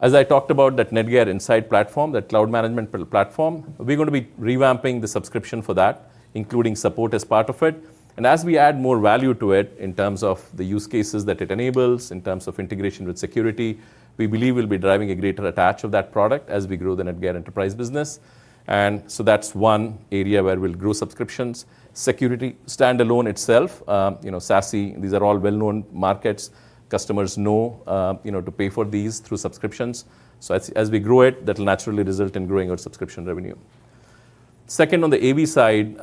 as I talked about that NETGEAR Insight platform, that cloud management platform, we're going to be revamping the subscription for that, including support as part of it. As we add more value to it in terms of the use cases that it enables, in terms of integration with security, we believe we'll be driving a greater attach of that product as we grow the NETGEAR enterprise business. That is one area where we'll grow subscriptions. Security standalone itself, SASE, these are all well-known markets. Customers know to pay for these through subscriptions. As we grow it, that will naturally result in growing our subscription revenue. Second, on the AV side,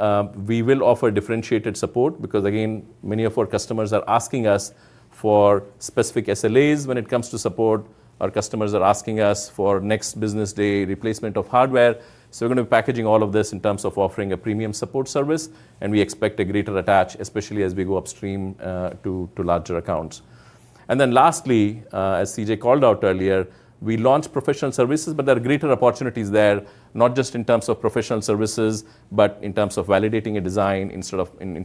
we will offer differentiated support because, again, many of our customers are asking us for specific SLAs when it comes to support. Our customers are asking us for next business day replacement of hardware. We are going to be packaging all of this in terms of offering a premium support service. We expect a greater attach, especially as we go upstream to larger accounts. Lastly, as CJ called out earlier, we launched professional services, but there are greater opportunities there, not just in terms of professional services, but in terms of validating a design in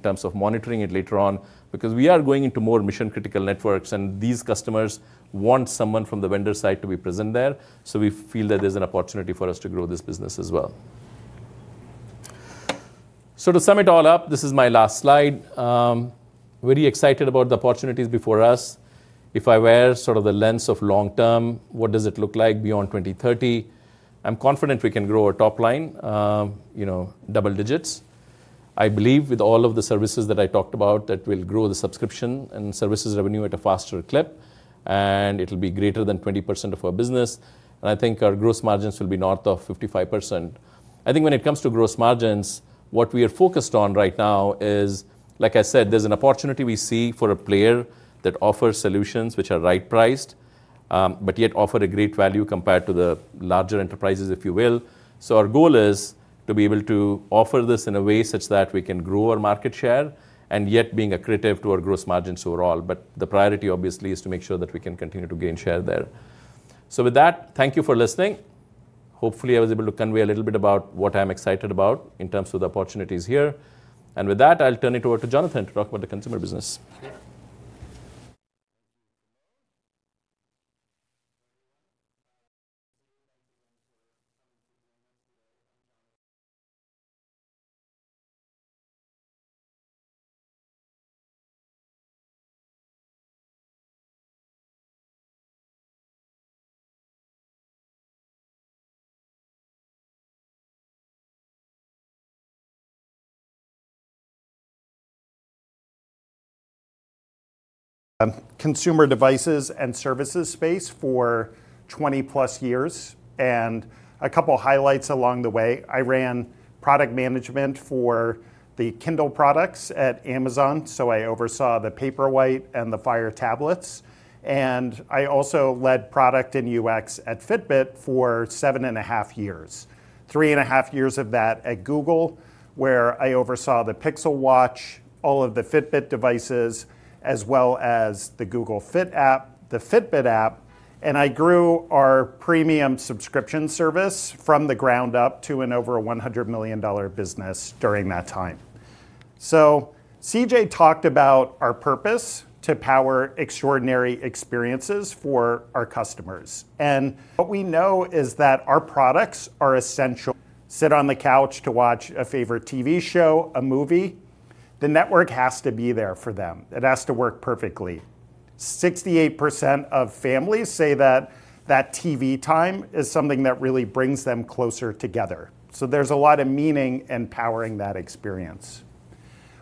terms of monitoring it later on because we are going into more mission-critical networks. These customers want someone from the vendor side to be present there. We feel that there's an opportunity for us to grow this business as well. To sum it all up, this is my last slide. Very excited about the opportunities before us. If I wear sort of the lens of long-term, what does it look like beyond 2030? I'm confident we can grow our top line double-digits. I believe with all of the services that I talked about that will grow the subscription and services revenue at a faster clip. It will be greater than 20% of our business. I think our gross margins will be north of 55%. I think when it comes to gross margins, what we are focused on right now is, like I said, there's an opportunity we see for a player that offers solutions which are right-priced, but yet offer a great value compared to the larger enterprises, if you will. Our goal is to be able to offer this in a way such that we can grow our market share and yet be accredited to our gross margins overall. The priority, obviously, is to make sure that we can continue to gain share there. With that, thank you for listening. Hopefully, I was able to convey a little bit about what I'm excited about in terms of the opportunities here. With that, I'll turn it over to Jonathan to talk about the consumer business.
Consumer devices and services space for 20+ years. A couple of highlights along the way. I ran product management for the Kindle products at Amazon. I oversaw the Paperwhite and the Fire tablets. I also led product and UX at Fitbit for seven and a half years, three and a half years of that at Google, where I oversaw the Pixel Watch, all of the Fitbit devices, as well as the Google Fit app, the Fitbit app. I grew our premium subscription service from the ground up to an over $100 million business during that time. CJ talked about our purpose to power extraordinary experiences for our customers. What we know is that our products are essential. Sit on the couch to watch a favorite TV show, a movie. The network has to be there for them. It has to work perfectly. 68% of families say that that TV time is something that really brings them closer together. There is a lot of meaning in powering that experience.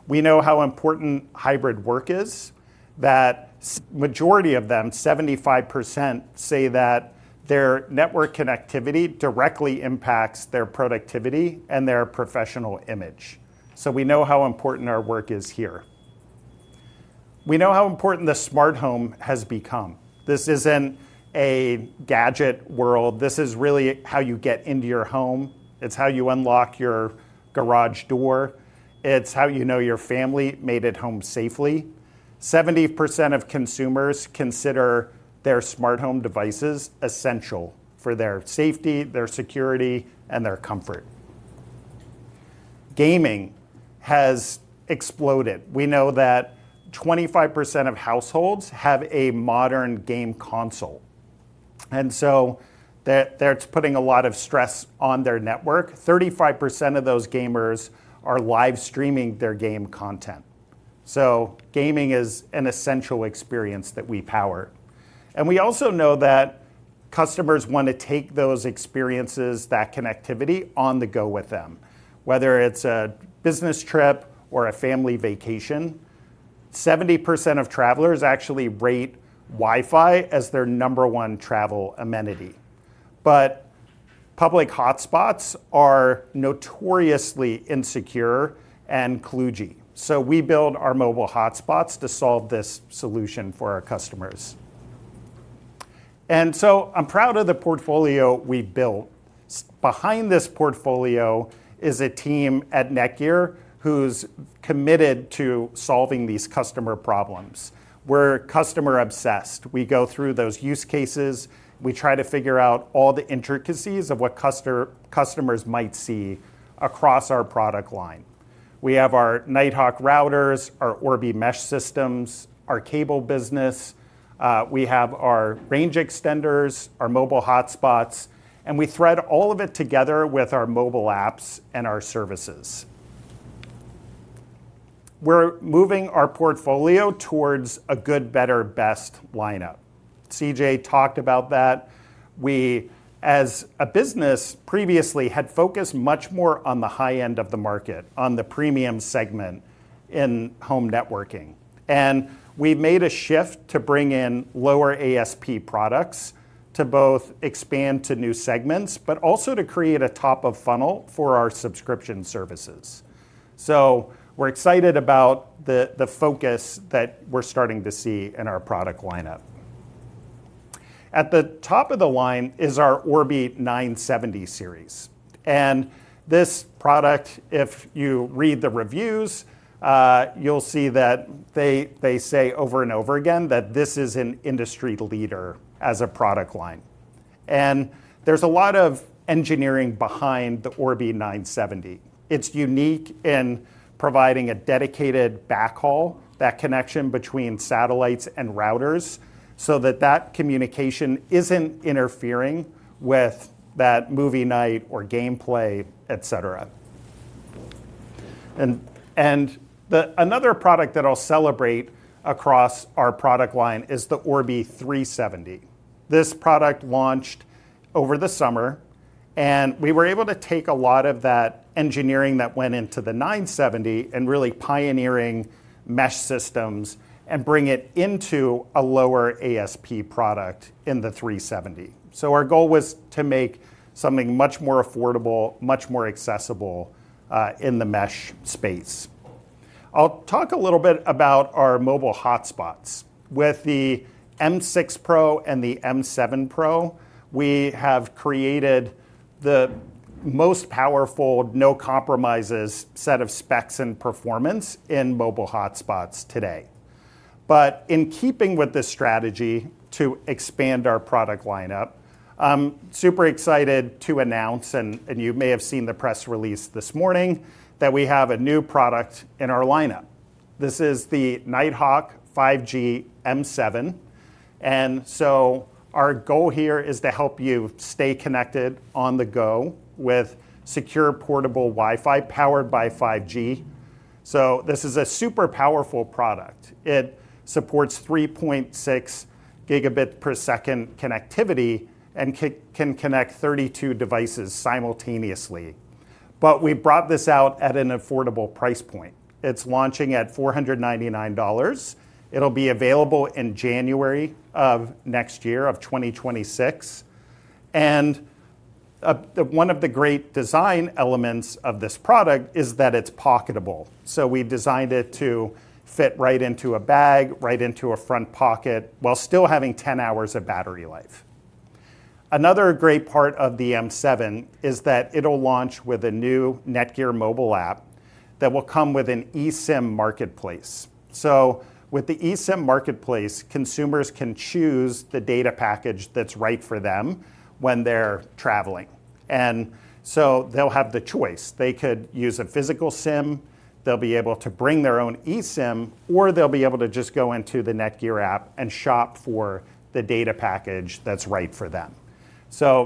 We know how important hybrid work is that the majority of them, 75%, say that their network connectivity directly impacts their productivity and their professional image. We know how important our work is here. We know how important the smart home has become. This is not a gadget world. This is really how you get into your home. It is how you unlock your garage door. It is how you know your family made it home safely. 70% of consumers consider their smart home devices essential for their safety, their security, and their comfort. Gaming has exploded. We know that 25% of households have a modern game console. That is putting a lot of stress on their network. 35% of those gamers are live streaming their game content. Gaming is an essential experience that we power. We also know that customers want to take those experiences, that connectivity on the go with them, whether it is a business trip or a family vacation. 70% of travelers actually rate Wi-Fi as their number one travel amenity. Public hotspots are notoriously insecure and kludgy. We build our mobile hotspots to solve this solution for our customers. I am proud of the portfolio we built. Behind this portfolio is a team at NETGEAR who is committed to solving these customer problems. We are customer-obsessed. We go through those use cases. We try to figure out all the intricacies of what customers might see across our product line. We have our Nighthawk routers, our Orbi mesh systems, our cable business. We have our range extenders, our mobile hotspots. We thread all of it together with our mobile apps and our services. We're moving our portfolio towards a good, better, best lineup. CJ talked about that. We, as a business, previously had focused much more on the high end of the market, on the premium segment in home networking. We have made a shift to bring in lower ASP products to both expand to new segments, but also to create a top-of-funnel for our subscription services. We are excited about the focus that we're starting to see in our product lineup. At the top of the line is our Orbi 970 series. This product, if you read the reviews, you'll see that they say over and over again that this is an industry leader as a product line. There is a lot of engineering behind the Orbi 970. It is unique in providing a dedicated backhaul, that connection between satellites and routers, so that communication is not interfering with that movie night or gameplay, etc. Another product that I'll celebrate across our product line is the Orbi 370. This product launched over the summer. We were able to take a lot of that engineering that went into the 970 and really pioneering mesh systems and bring it into a lower ASP product in the 370. Our goal was to make something much more affordable, much more accessible in the mesh space. I'll talk a little bit about our mobile hotspots. With the M6 Pro and the M7 Pro, we have created the most powerful, no compromises set of specs and performance in mobile hotspots today. In keeping with this strategy to expand our product lineup, I'm super excited to announce, and you may have seen the press release this morning, that we have a new product in our lineup. This is the Nighthawk 5G M7. Our goal here is to help you stay connected on the go with secure, portable Wi-Fi powered by 5G. This is a super powerful product. It supports 3.6 gigabit per second connectivity and can connect 32 devices simultaneously. We brought this out at an affordable price point. It's launching at $499. It'll be available in January of next year, of 2026. One of the great design elements of this product is that it's pocketable. We've designed it to fit right into a bag, right into a front pocket, while still having 10 hours of battery life. Another great part of the M7 is that it'll launch with a new NETGEAR mobile app that will come with an eSIM marketplace. With the eSIM marketplace, consumers can choose the data package that's right for them when they're traveling. They'll have the choice. They could use a physical SIM. They'll be able to bring their own eSIM, or they'll be able to just go into the NETGEAR app and shop for the data package that's right for them.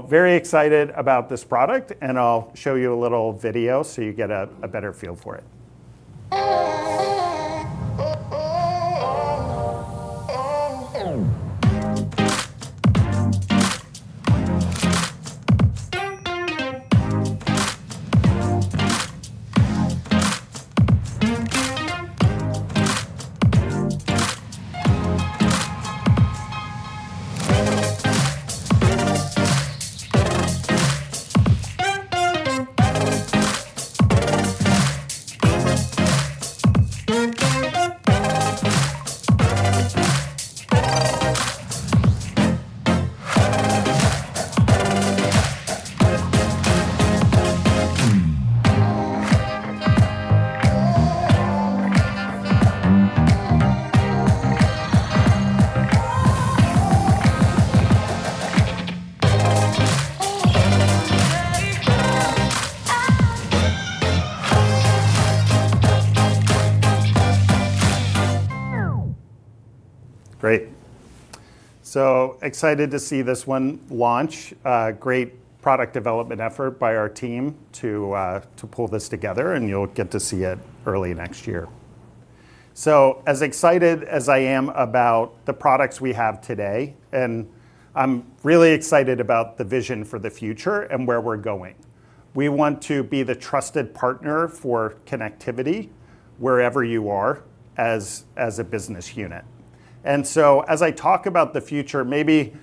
Very excited about this product. I'll show you a little video so you get a better feel for it. Great. Excited to see this one launch. Great product development effort by our team to pull this together. You'll get to see it early next year. As excited as I am about the products we have today, I'm really excited about the vision for the future and where we're going. We want to be the trusted partner for connectivity wherever you are as a business unit. As I talk about the future, maybe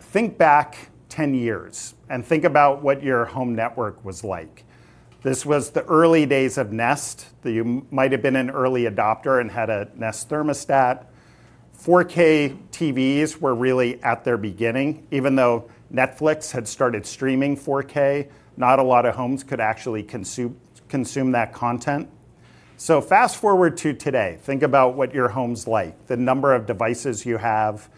think back 10 years and think about what your home network was like. This was the early days of Nest. You might have been an early adopter and had a Nest thermostat. 4K TVs were really at their beginning, even though Netflix had started streaming 4K. Not a lot of homes could actually consume that content. Fast forward to today. Think about what your home's like, the number of devices you have,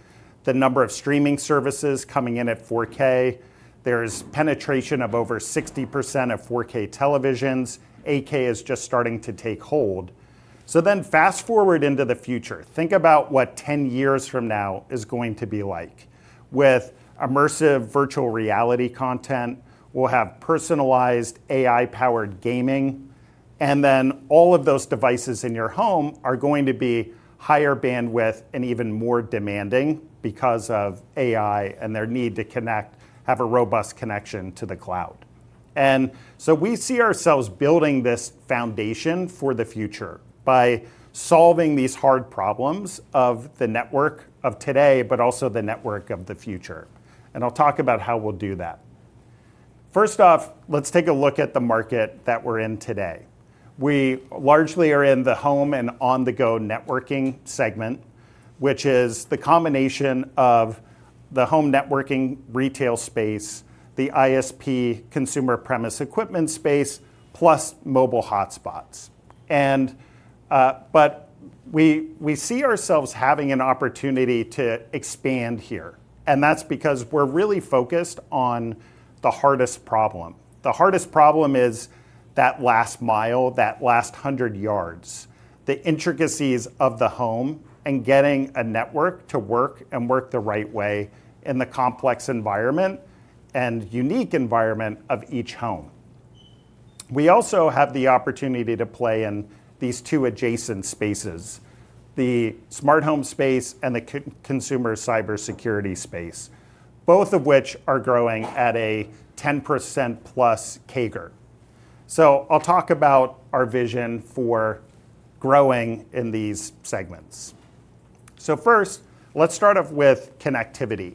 the number of streaming services coming in at 4K. There is penetration of over 60% of 4K televisions. 8K is just starting to take hold. Fast forward into the future. Think about what 10 years from now is going to be like with immersive virtual reality content. We'll have personalized AI-powered gaming. All of those devices in your home are going to be higher bandwidth and even more demanding because of AI and their need to have a robust connection to the cloud. We see ourselves building this foundation for the future by solving these hard problems of the network of today, but also the network of the future. I'll talk about how we'll do that. First off, let's take a look at the market that we're in today. We largely are in the home and on-the-go networking segment, which is the combination of the home networking retail space, the ISP consumer premise equipment space, plus mobile hotspots. We see ourselves having an opportunity to expand here. That is because we're really focused on the hardest problem. The hardest problem is that last mile, that last 100 yards, the intricacies of the home and getting a network to work and work the right way in the complex environment and unique environment of each home. We also have the opportunity to play in these two adjacent spaces, the smart home space and the consumer cybersecurity space, both of which are growing at a 10% plus CAGR. I'll talk about our vision for growing in these segments. First, let's start off with connectivity.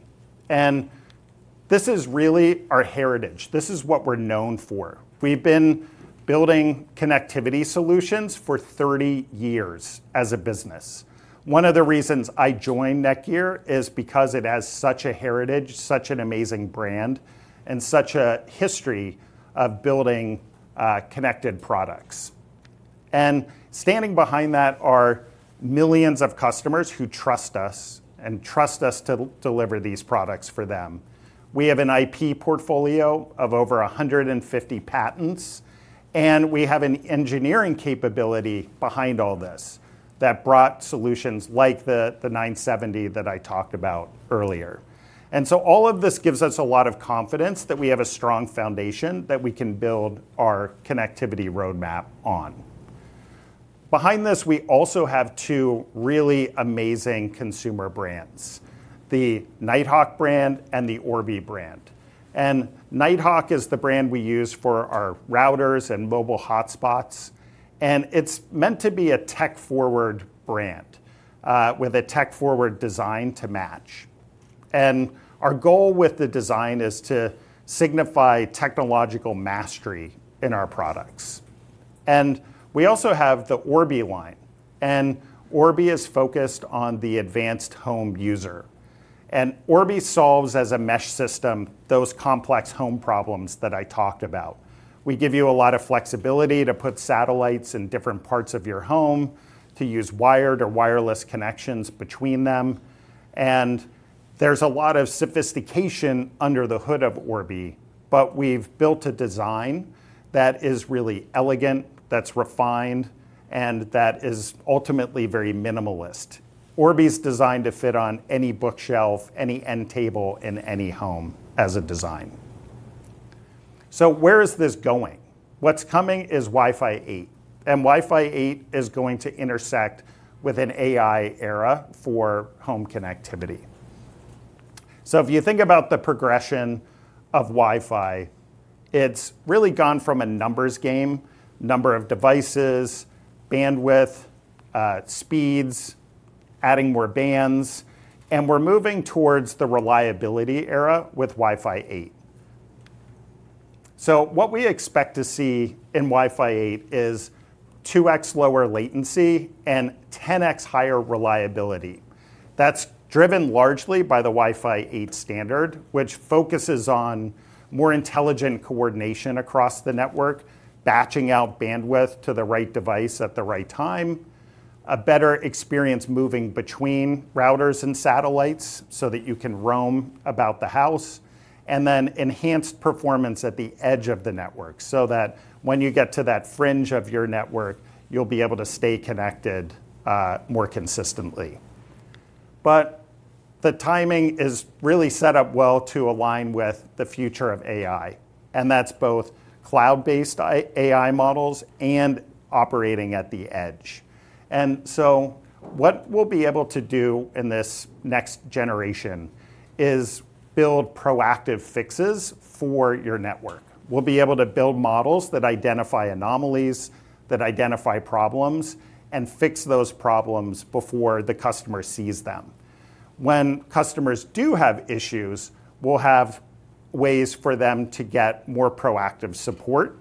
This is really our heritage. This is what we're known for. We've been building connectivity solutions for 30 years as a business. One of the reasons I joined NETGEAR is because it has such a heritage, such an amazing brand, and such a history of building connected products. Standing behind that are millions of customers who trust us and trust us to deliver these products for them. We have an IP portfolio of over 150 patents. We have an engineering capability behind all this that brought solutions like the 970 that I talked about earlier. All of this gives us a lot of confidence that we have a strong foundation that we can build our connectivity roadmap on. Behind this, we also have two really amazing consumer brands, the Nighthawk brand and the Orbi brand. Nighthawk is the brand we use for our routers and mobile hotspots. It is meant to be a tech-forward brand with a tech-forward design to match. Our goal with the design is to signify technological mastery in our products. We also have the Orbi line. Orbi is focused on the advanced home user. Orbi solves, as a mesh system, those complex home problems that I talked about. We give you a lot of flexibility to put satellites in different parts of your home, to use wired or wireless connections between them. There is a lot of sophistication under the hood of Orbi, but we have built a design that is really elegant, refined, and ultimately very minimalist. Orbi is designed to fit on any bookshelf, any end table, and any home as a design. Where is this going? What's coming is Wi-Fi 8. Wi-Fi 8 is going to intersect with an AI era for home connectivity. If you think about the progression of Wi-Fi, it's really gone from a numbers game, number of devices, bandwidth, speeds, adding more bands. We're moving towards the reliability era with Wi-Fi 8. What we expect to see in Wi-Fi 8 is 2x lower latency and 10x higher reliability. That's driven largely by the Wi-Fi 8 standard, which focuses on more intelligent coordination across the network, batching out bandwidth to the right device at the right time, a better experience moving between routers and satellites so that you can roam about the house, and then enhanced performance at the edge of the network so that when you get to that fringe of your network, you'll be able to stay connected more consistently. The timing is really set up well to align with the future of AI. That is both cloud-based AI models and operating at the edge. What we will be able to do in this next generation is build proactive fixes for your network. We will be able to build models that identify anomalies, that identify problems, and fix those problems before the customer sees them. When customers do have issues, we will have ways for them to get more proactive support.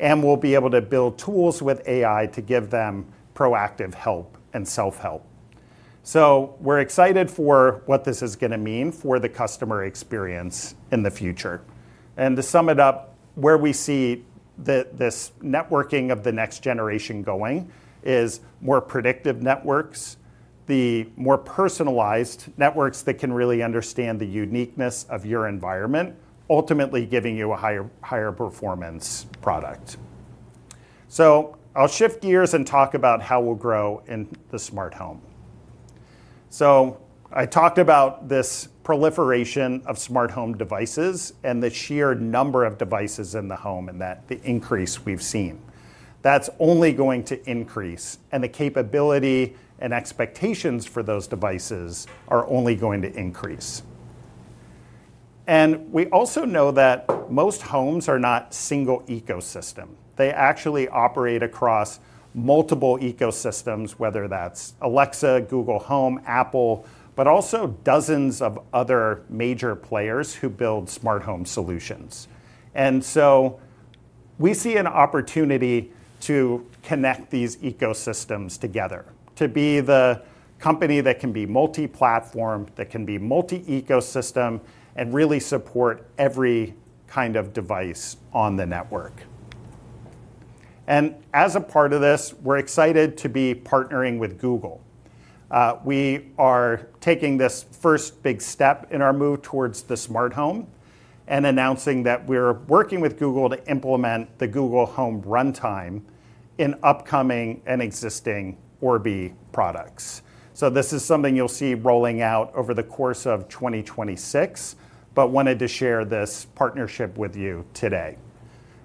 We will be able to build tools with AI to give them proactive help and self-help. We are excited for what this is going to mean for the customer experience in the future. To sum it up, where we see this networking of the next generation going is more predictive networks, the more personalized networks that can really understand the uniqueness of your environment, ultimately giving you a higher performance product. I'll shift gears and talk about how we'll grow in the smart home. I talked about this proliferation of smart home devices and the sheer number of devices in the home and the increase we've seen. That's only going to increase. The capability and expectations for those devices are only going to increase. We also know that most homes are not a single ecosystem. They actually operate across multiple ecosystems, whether that's Alexa, Google Home, Apple, but also dozens of other major players who build smart home solutions. We see an opportunity to connect these ecosystems together, to be the company that can be multi-platform, that can be multi-ecosystem, and really support every kind of device on the network. As a part of this, we're excited to be partnering with Google. We are taking this first big step in our move towards the smart home and announcing that we're working with Google to implement the Google Home Runtime in upcoming and existing Orbi products. This is something you'll see rolling out over the course of 2026, but wanted to share this partnership with you today.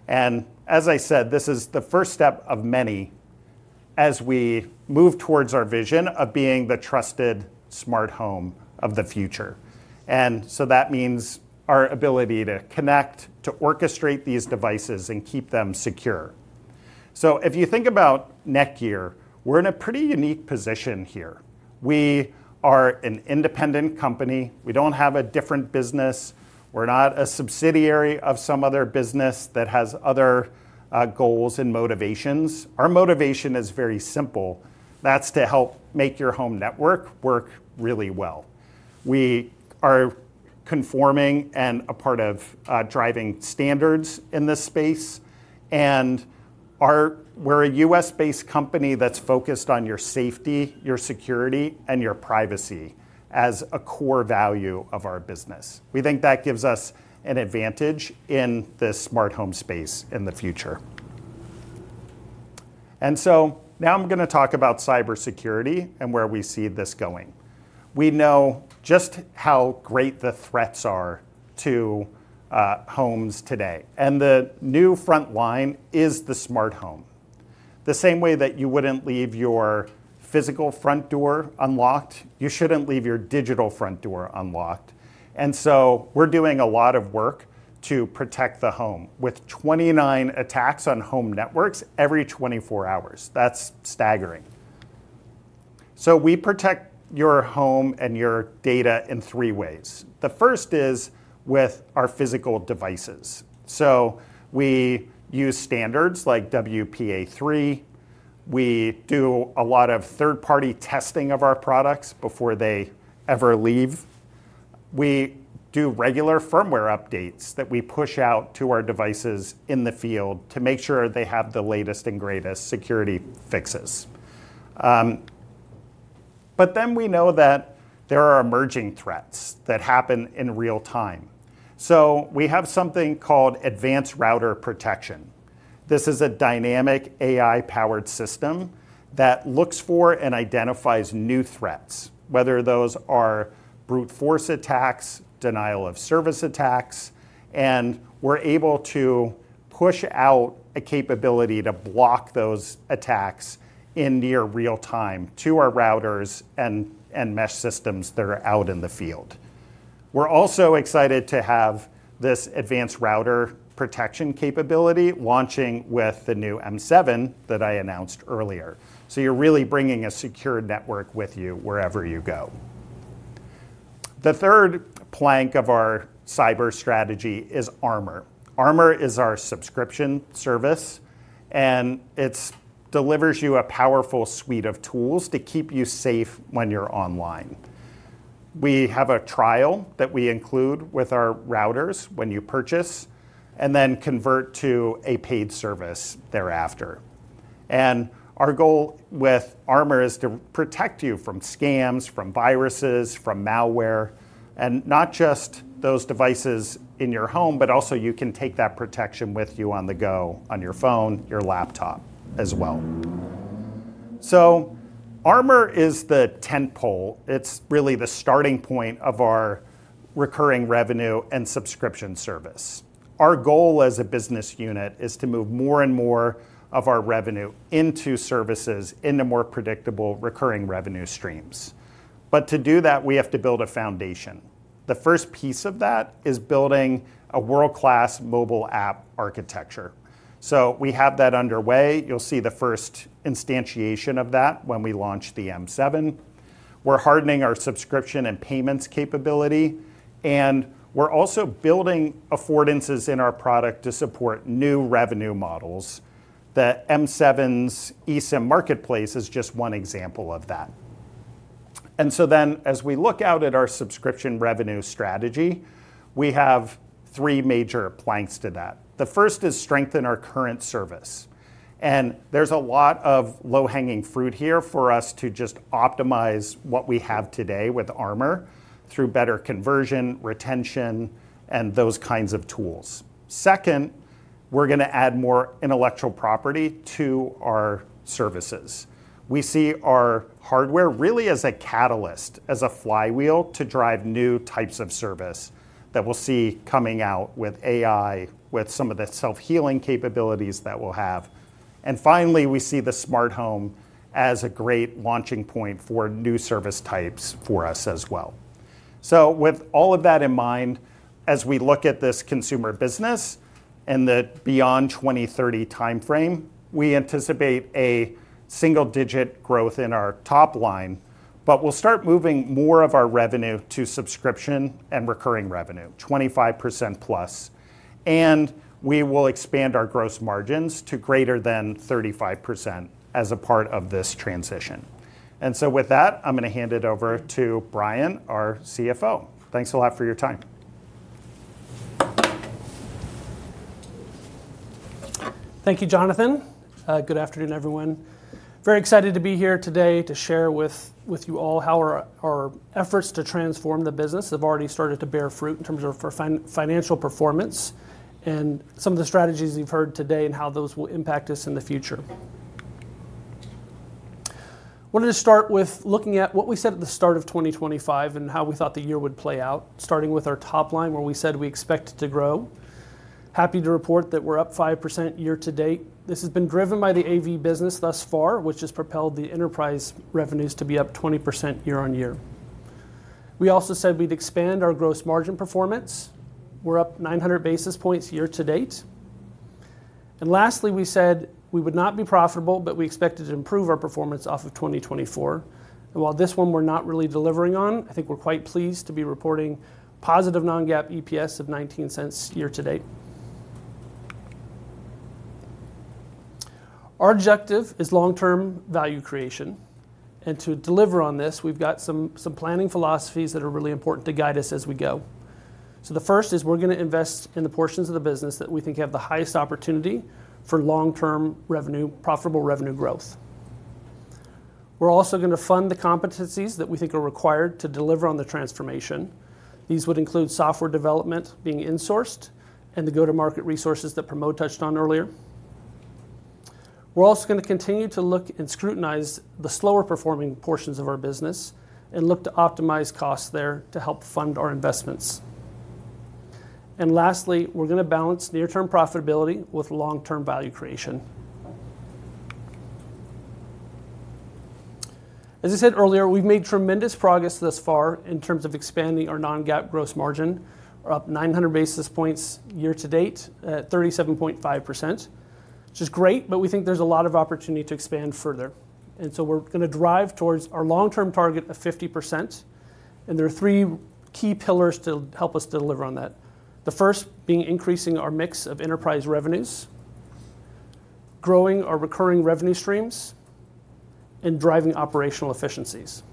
As I said, this is the first step of many as we move towards our vision of being the trusted smart home of the future. That means our ability to connect, to orchestrate these devices, and keep them secure. If you think about NETGEAR, we're in a pretty unique position here. We are an independent company. We don't have a different business. We're not a subsidiary of some other business that has other goals and motivations. Our motivation is very simple. That's to help make your home network work really well. We are conforming and a part of driving standards in this space. We're a US-based company that's focused on your safety, your security, and your privacy as a core value of our business. We think that gives us an advantage in the smart home space in the future. Now I'm going to talk about cybersecurity and where we see this going. We know just how great the threats are to homes today. The new front line is the smart home. The same way that you wouldn't leave your physical front door unlocked, you shouldn't leave your digital front door unlocked. We're doing a lot of work to protect the home with 29 attacks on home networks every 24 hours. That's staggering. We protect your home and your data in three ways. The first is with our physical devices. We use standards like WPA3. We do a lot of third-party testing of our products before they ever leave. We do regular firmware updates that we push out to our devices in the field to make sure they have the latest and greatest security fixes. We know that there are emerging threats that happen in real time. We have something called advanced router protection. This is a dynamic AI-powered system that looks for and identifies new threats, whether those are brute force attacks, denial of service attacks. We are able to push out a capability to block those attacks in near real time to our routers and mesh systems that are out in the field. We are also excited to have this advanced router protection capability launching with the new M7 that I announced earlier. You are really bringing a secure network with you wherever you go. The third plank of our cyber strategy is Armor. Armor is our subscription service. It delivers you a powerful suite of tools to keep you safe when you are online. We have a trial that we include with our routers when you purchase and then convert to a paid service thereafter. Our goal with Armor is to protect you from scams, from viruses, from malware, and not just those devices in your home, but also you can take that protection with you on the go on your phone, your laptop as well. Armor is the tent pole. It's really the starting point of our recurring revenue and subscription service. Our goal as a business unit is to move more and more of our revenue into services, into more predictable recurring revenue streams. To do that, we have to build a foundation. The first piece of that is building a world-class mobile app architecture. We have that underway. You'll see the first instantiation of that when we launch the M7. We're hardening our subscription and payments capability. We're also building affordances in our product to support new revenue models. The M7's eSIM marketplace is just one example of that. As we look out at our subscription revenue strategy, we have three major planks to that. The first is strengthen our current service. There is a lot of low-hanging fruit here for us to just optimize what we have today with Armor through better conversion, retention, and those kinds of tools. Second, we are going to add more intellectual property to our services. We see our hardware really as a catalyst, as a flywheel to drive new types of service that we will see coming out with AI, with some of the self-healing capabilities that we will have. Finally, we see the smart home as a great launching point for new service types for us as well. With all of that in mind, as we look at this consumer business and the beyond 2030 time frame, we anticipate a single-digit growth in our top line. We will start moving more of our revenue to subscription and recurring revenue, 25% +. We will expand our gross margins to greater than 35% as a part of this transition. With that, I'm going to hand it over to Bryan, our CFO. Thanks a lot for your time.
Thank you, Jonathan. Good afternoon, everyone. Very excited to be here today to share with you all how our efforts to transform the business have already started to bear fruit in terms of our financial performance and some of the strategies you've heard today and how those will impact us in the future. I wanted to start with looking at what we said at the start of 2025 and how we thought the year would play out, starting with our top line where we said we expect to grow. Happy to report that we're up 5% year to date. This has been driven by the AV business thus far, which has propelled the enterprise revenues to be up 20% year-on-year. We also said we'd expand our gross margin performance. We're up 900 basis points year to date. Lastly, we said we would not be profitable, but we expected to improve our performance off of 2024. While this one we're not really delivering on, I think we're quite pleased to be reporting positive non-GAAP EPS of $0.19 year to date. Our objective is long-term value creation. To deliver on this, we've got some planning philosophies that are really important to guide us as we go. The first is we're going to invest in the portions of the business that we think have the highest opportunity for long-term profitable revenue growth. We're also going to fund the competencies that we think are required to deliver on the transformation. These would include software development being insourced and the go-to-market resources that Pramod touched on earlier. We're also going to continue to look and scrutinize the slower-performing portions of our business and look to optimize costs there to help fund our investments. Lastly, we're going to balance near-term profitability with long-term value creation. As I said earlier, we've made tremendous progress thus far in terms of expanding our non-GAAP gross margin, up 900 basis points year to date at 37.5%, which is great, but we think there's a lot of opportunity to expand further. We are going to drive towards our long-term target of 50%. There are three key pillars to help us deliver on that. The first being increasing our mix of enterprise revenues, growing our recurring revenue streams, and driving operational efficiencies.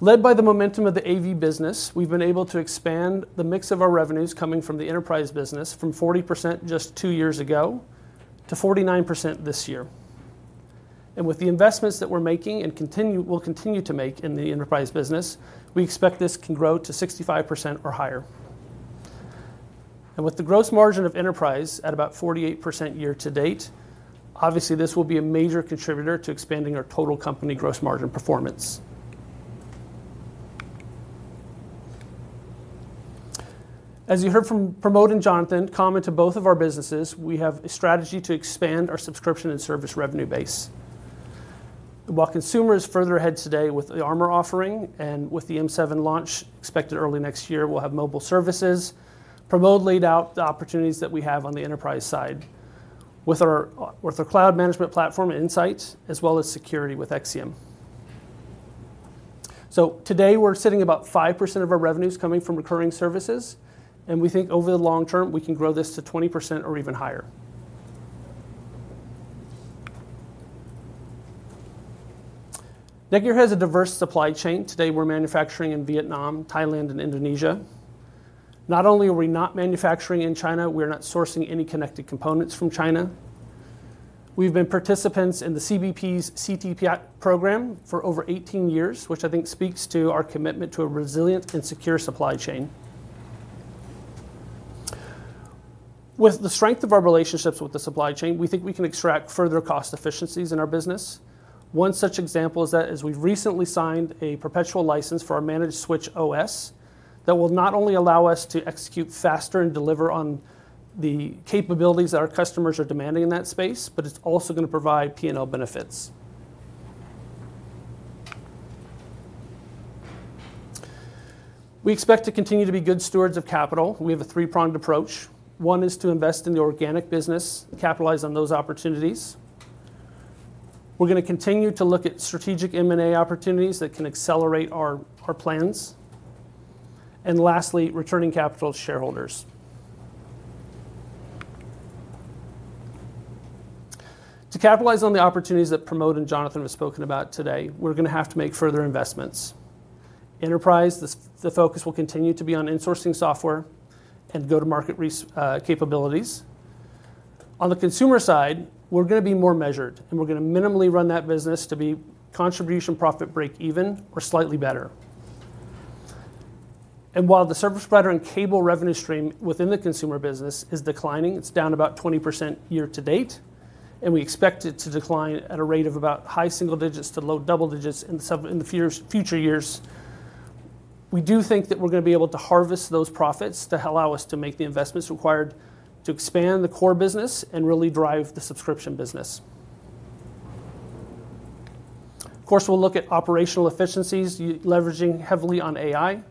Led by the momentum of the AV business, we've been able to expand the mix of our revenues coming from the enterprise business from 40% just two years ago to 49% this year. With the investments that we're making and will continue to make in the enterprise business, we expect this can grow to 65% or higher. With the gross margin of enterprise at about 48% year to date, obviously, this will be a major contributor to expanding our total company gross margin performance. As you heard from Pramod and Jonathan comment to both of our businesses, we have a strategy to expand our subscription and service revenue base. While consumer is further ahead today with the Armor offering and with the M7 launch expected early next year, we'll have mobile services. Pramod laid out the opportunities that we have on the enterprise side with our cloud management platform, Insight, as well as security with Exium. Today, we're sitting at about 5% of our revenues coming from recurring services. We think over the long term, we can grow this to 20% or even higher. NETGEAR has a diverse supply chain. Today, we're manufacturing in Vietnam, Thailand, and Indonesia. Not only are we not manufacturing in China, we are not sourcing any connected components from China. We've been participants in the CBP's CTPAT program for over 18 years, which I think speaks to our commitment to a resilient and secure supply chain. With the strength of our relationships with the supply chain, we think we can extract further cost efficiencies in our business. One such example is that as we recently signed a perpetual license for our managed switch OS that will not only allow us to execute faster and deliver on the capabilities that our customers are demanding in that space, but it's also going to provide P&L benefits. We expect to continue to be good stewards of capital. We have a three-pronged approach. One is to invest in the organic business, capitalize on those opportunities. We're going to continue to look at strategic M&A opportunities that can accelerate our plans. Lastly, returning capital to shareholders. To capitalize on the opportunities that Pramod and Jonathan have spoken about today, we're going to have to make further investments. Enterprise, the focus will continue to be on insourcing software and go-to-market capabilities. On the consumer side, we're going to be more measured. We're going to minimally run that business to be contribution profit break even or slightly better. While the service provider and cable revenue stream within the consumer business is declining, it's down about 20% year to date. We expect it to decline at a rate of about high single digits to low double digits in the future years. We do think that we're going to be able to harvest those profits to allow us to make the investments required to expand the core business and really drive the subscription business. Of course, we'll look at operational efficiencies, leveraging heavily on AI.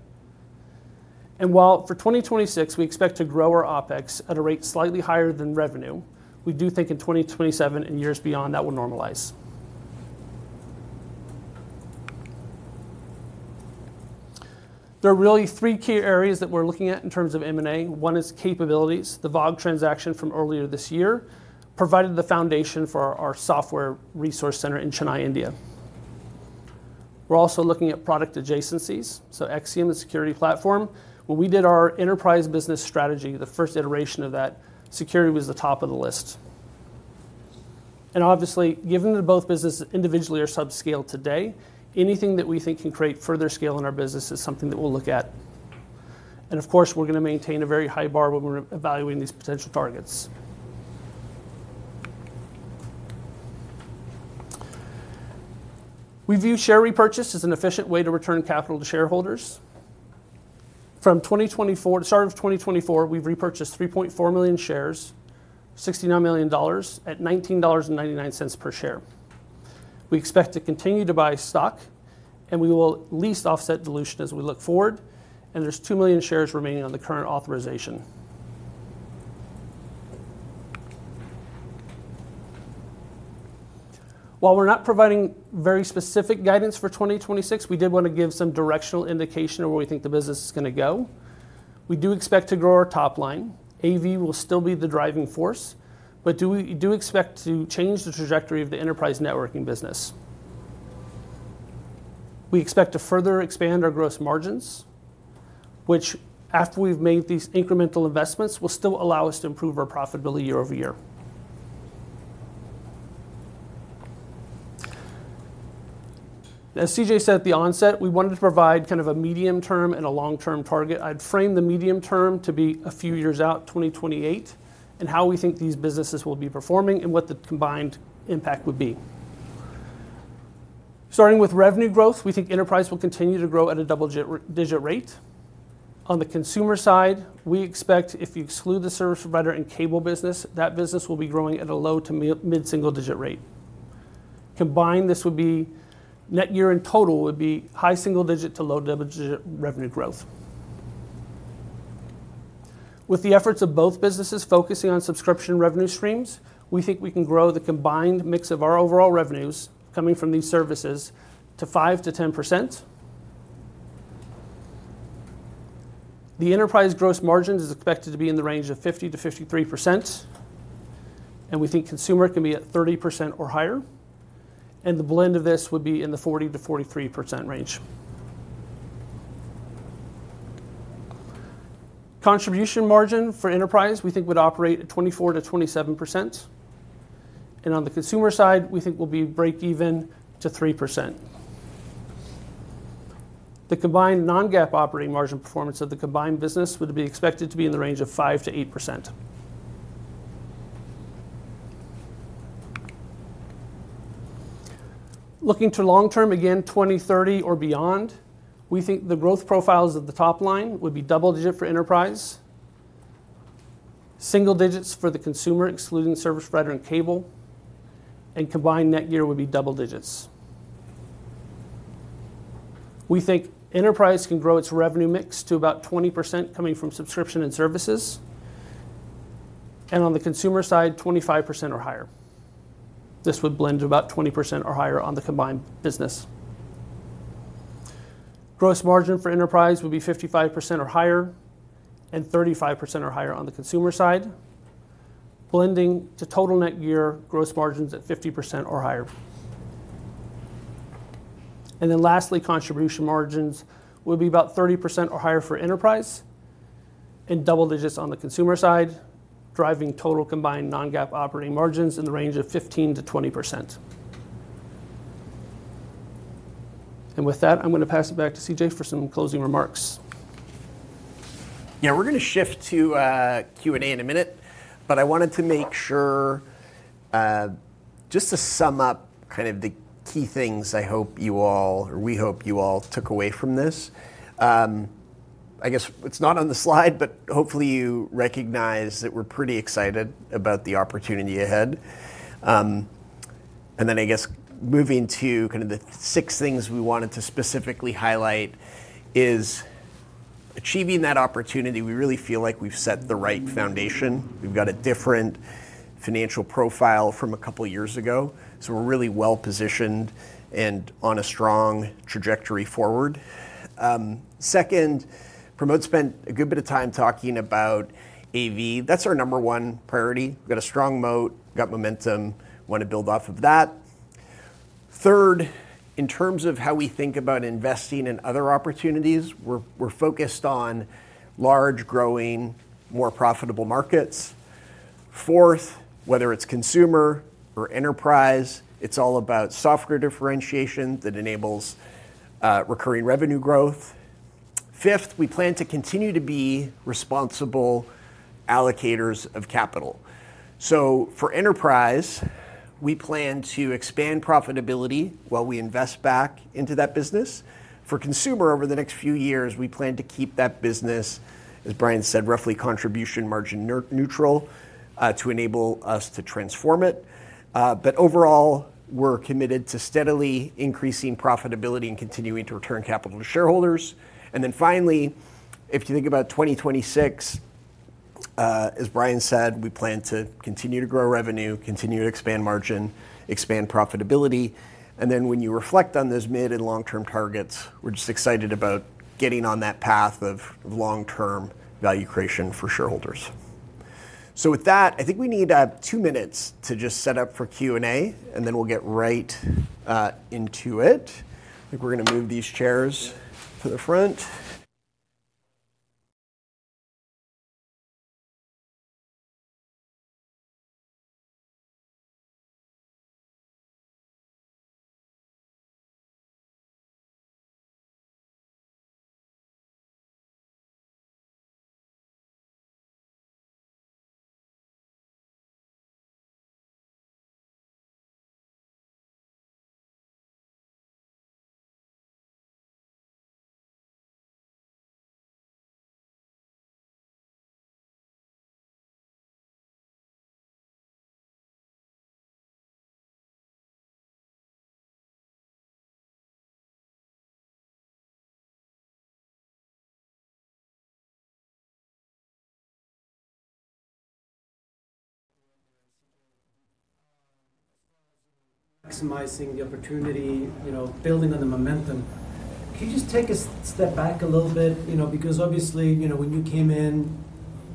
While for 2026, we expect to grow our opEx at a rate slightly higher than revenue, we do think in 2027 and years beyond that will normalize. There are really three key areas that we're looking at in terms of M&A. One is capabilities, the VOG transaction from earlier this year provided the foundation for our software resource center in Chennai, India. We're also looking at product adjacencies, so Exium and security platform. When we did our enterprise business strategy, the first iteration of that, security was the top of the list. Obviously, given that both businesses individually are subscaled today, anything that we think can create further scale in our business is something that we'll look at. Of course, we're going to maintain a very high bar when we're evaluating these potential targets. We view share repurchase as an efficient way to return capital to shareholders. From the start of 2024, we've repurchased 3.4 million shares, $69 million at $19.99 per share. We expect to continue to buy stock. We will at least offset dilution as we look forward. There are 2 million shares remaining on the current authorization. While we're not providing very specific guidance for 2026, we did want to give some directional indication of where we think the business is going to go. We do expect to grow our top line. AV will still be the driving force. We do expect to change the trajectory of the enterprise networking business. We expect to further expand our gross margins, which, after we've made these incremental investments, will still allow us to improve our profitability year-over-year. As CJ said at the onset, we wanted to provide kind of a medium-term and a long-term target. I'd frame the medium-term to be a few years out, 2028, and how we think these businesses will be performing and what the combined impact would be. Starting with revenue growth, we think enterprise will continue to grow at a double-digit rate. On the consumer side, we expect if you exclude the service provider and cable business, that business will be growing at a low to mid-single-digit rate. Combined, this would be NETGEAR in total would be high single-digit to low double-digit revenue growth. With the efforts of both businesses focusing on subscription revenue streams, we think we can grow the combined mix of our overall revenues coming from these services to 5%-10%. The enterprise gross margin is expected to be in the range of 50%-53%. We think consumer can be at 30% or higher. The blend of this would be in the 40%-43% range. Contribution margin for enterprise, we think would operate at 24%-27%. On the consumer side, we think we'll be break-even to 3%. The combined non-GAAP operating margin performance of the combined business would be expected to be in the range of 5%-8%. Looking to long-term, again, 2030 or beyond, we think the growth profiles of the top line would be double-digit for enterprise, single digits for the consumer, excluding service provider and cable. Combined NETGEAR would be double digits. We think enterprise can grow its revenue mix to about 20% coming from subscription and services. On the consumer side, 25% or higher. This would blend to about 20% or higher on the combined business. Gross margin for enterprise would be 55% or higher and 35% or higher on the consumer side, blending to total NETGEAR gross margins at 50% or higher. Lastly, contribution margins would be about 30% or higher for enterprise and double digits on the consumer side, driving total combined non-GAAP operating margins in the range of 15%-20%. With that, I'm going to pass it back to CJ for some closing remarks.
Yeah, we're going to shift to Q&A in a minute. I wanted to make sure, just to sum up kind of the key things I hope you all, or we hope you all, took away from this. I guess it's not on the slide, but hopefully you recognize that we're pretty excited about the opportunity ahead. I guess moving to kind of the six things we wanted to specifically highlight is achieving that opportunity, we really feel like we've set the right foundation. We've got a different financial profile from a couple of years ago. We're really well positioned and on a strong trajectory forward. Second, Pramod spent a good bit of time talking about AV. That's our number one priority. We've got a strong moat, got momentum, want to build off of that. Third, in terms of how we think about investing in other opportunities, we're focused on large, growing, more profitable markets. Fourth, whether it's consumer or enterprise, it's all about software differentiation that enables recurring revenue growth. Fifth, we plan to continue to be responsible allocators of capital. For enterprise, we plan to expand profitability while we invest back into that business. For consumer, over the next few years, we plan to keep that business, as Bryan said, roughly contribution margin neutral to enable us to transform it. Overall, we're committed to steadily increasing profitability and continuing to return capital to shareholders. Finally, if you think about 2026, as Bryan said, we plan to continue to grow revenue, continue to expand margin, expand profitability. When you reflect on those mid and long-term targets, we're just excited about getting on that path of long-term value creation for shareholders. With that, I think we need two minutes to just set up for Q&A. Then we'll get right into it. I think we're going to move these chairs to the front.
Thank you, CJ. As far as maximizing the opportunity, building on the momentum, can you just take a step back a little bit? Because obviously, when you came in,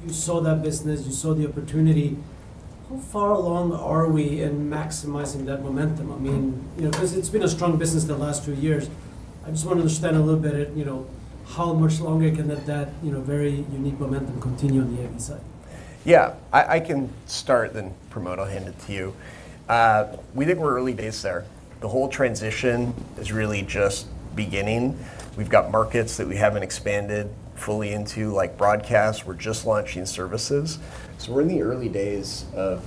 you saw that business, you saw the opportunity. How far along are we in maximizing that momentum? I mean, because it's been a strong business the last two years. I just want to understand a little bit how much longer can that very unique momentum continue on the AV side?
Yeah, I can start, then Pramod, I'll hand it to you. We think we're early days there. The whole transition is really just beginning. We've got markets that we haven't expanded fully into, like broadcast. We're just launching services. We are in the early days of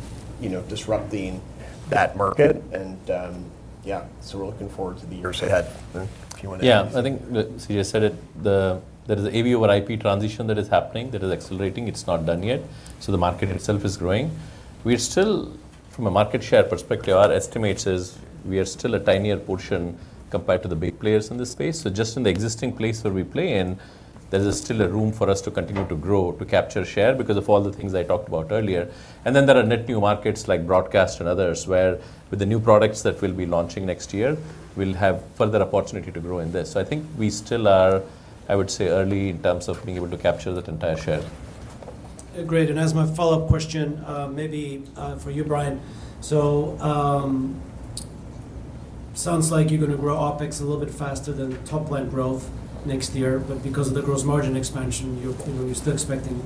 disrupting that market. Yeah, we're looking forward to the years ahead. If you want to.
Yeah, I think CJ said it. That is AV over IP transition that is happening, that is accelerating. It's not done yet. The market itself is growing. We're still, from a market share perspective, our estimate says we are still a tinier portion compared to the big players in this space. Just in the existing place where we play in, there is still room for us to continue to grow, to capture share because of all the things I talked about earlier. There are net new markets like broadcast and others where, with the new products that we'll be launching next year, we'll have further opportunity to grow in this. I think we still are, I would say, early in terms of being able to capture that entire share.
Great. As my follow-up question, maybe for you, Bryan, it sounds like you're going to grow opEx a little bit faster than top line growth next year. Because of the gross margin expansion, you're still expecting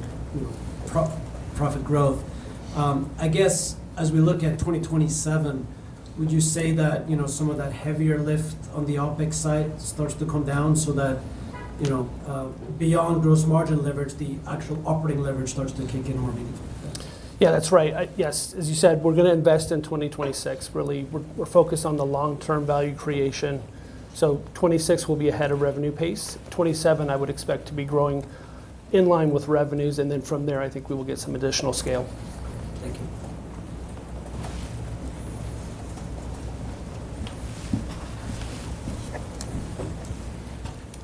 profit growth. I guess as we look at 2027, would you say that some of that heavier lift on the opEx side starts to come down so that beyond gross margin leverage, the actual operating leverage starts to kick in more meaningfully?
Yeah, that's right. Yes, as you said, we're going to invest in 2026. Really, we're focused on the long-term value creation. '26 will be ahead of revenue pace. 2027, I would expect to be growing in line with revenues. From there, I think we will get some additional scale.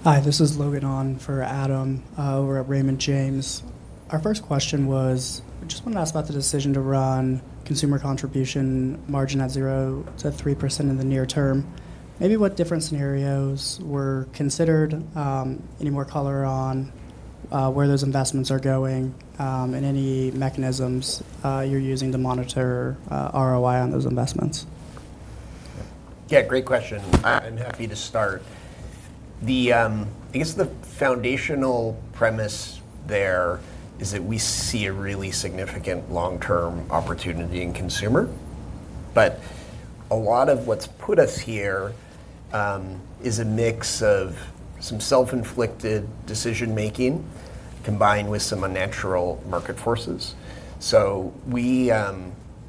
Thank you.
Hi, this is Logan on for Adam over at Raymond James. Our first question was, we just want to ask about the decision to run consumer contribution margin at 0%-3% in the near term. Maybe what different scenarios were considered, any more color on where those investments are going, and any mechanisms you're using to monitor ROI on those investments.
Yeah, great question. I'm happy to start. I guess the foundational premise there is that we see a really significant long-term opportunity in consumer. A lot of what's put us here is a mix of some self-inflicted decision-making combined with some unnatural market forces.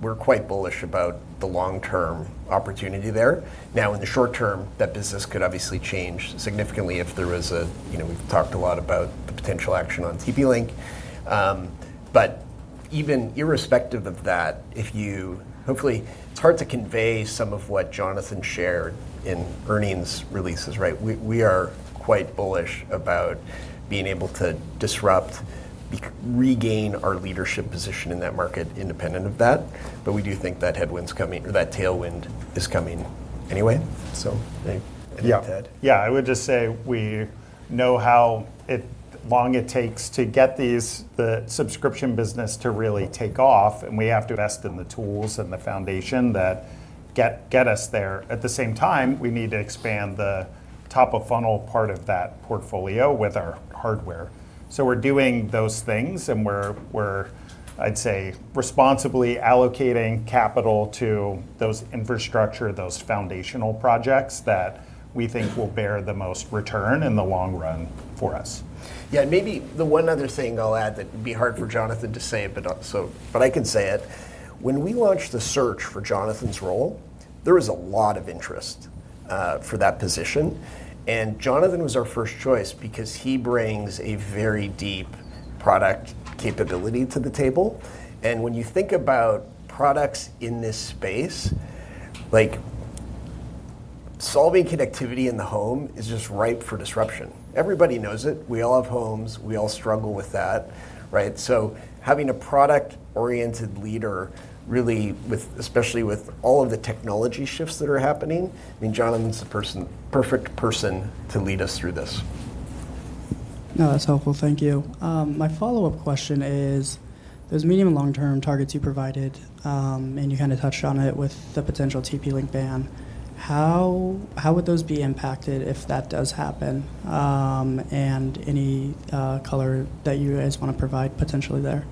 We're quite bullish about the long-term opportunity there. Now, in the short term, that business could obviously change significantly if there was a—we've talked a lot about the potential action on TP-Link. Even irrespective of that, if you—hopefully, it's hard to convey some of what Jonathan shared in earnings releases, right? We are quite bullish about being able to disrupt, regain our leadership position in that market independent of that. We do think that headwind's coming or that tailwind is coming anyway. Anyway, Ted.
Yeah, I would just say we know how long it takes to get the subscription business to really take off. We have to invest in the tools and the foundation that get us there. At the same time, we need to expand the top of funnel part of that portfolio with our hardware. We're doing those things. We're, I'd say, responsibly allocating capital to those infrastructure, those foundational projects that we think will bear the most return in the long run for us.
Yeah, and maybe the one other thing I'll add that would be hard for Jonathan to say, but I can say it. When we launched the search for Jonathan's role, there was a lot of interest for that position. Jonathan was our first choice because he brings a very deep product capability to the table. When you think about products in this space, solving connectivity in the home is just ripe for disruption. Everybody knows it. We all have homes. We all struggle with that, right? Having a product-oriented leader, really, especially with all of the technology shifts that are happening, I mean, Jonathan's the perfect person to lead us through this.
No, that's helpful. Thank you. My follow-up question is, those medium and long-term targets you provided, and you kind of touched on it with the potential TP-Link ban, how would those be impacted if that does happen? Any color that you guys want to provide potentially there?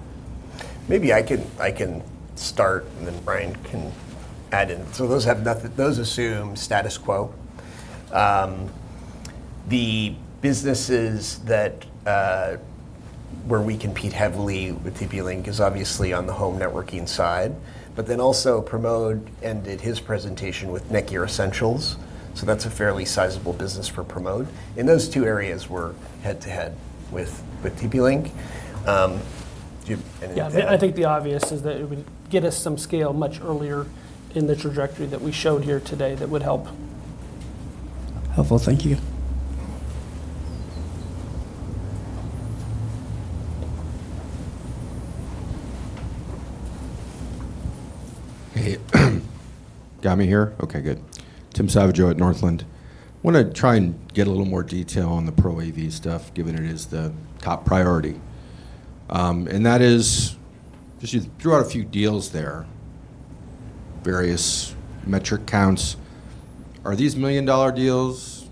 Maybe I can start, and then Bryan can add in. Those assume status quo. The businesses where we compete heavily with TP-Link is obviously on the home networking side. Pramod ended his presentation with NETGEAR Essentials. That is a fairly sizable business for Pramod. In those two areas, we are head-to-head with TP-Link.
Yeah, I think the obvious is that it would get us some scale much earlier in the trajectory that we showed here today that would help.
Helpful. Thank you.
Hey, got me here? Okay, good. Tim Savageaux at Northland. I want to try and get a little more detail on the Pro AV stuff, given it is the top priority. That is, you threw out a few deals there, various metric counts. Are these million-dollar deals,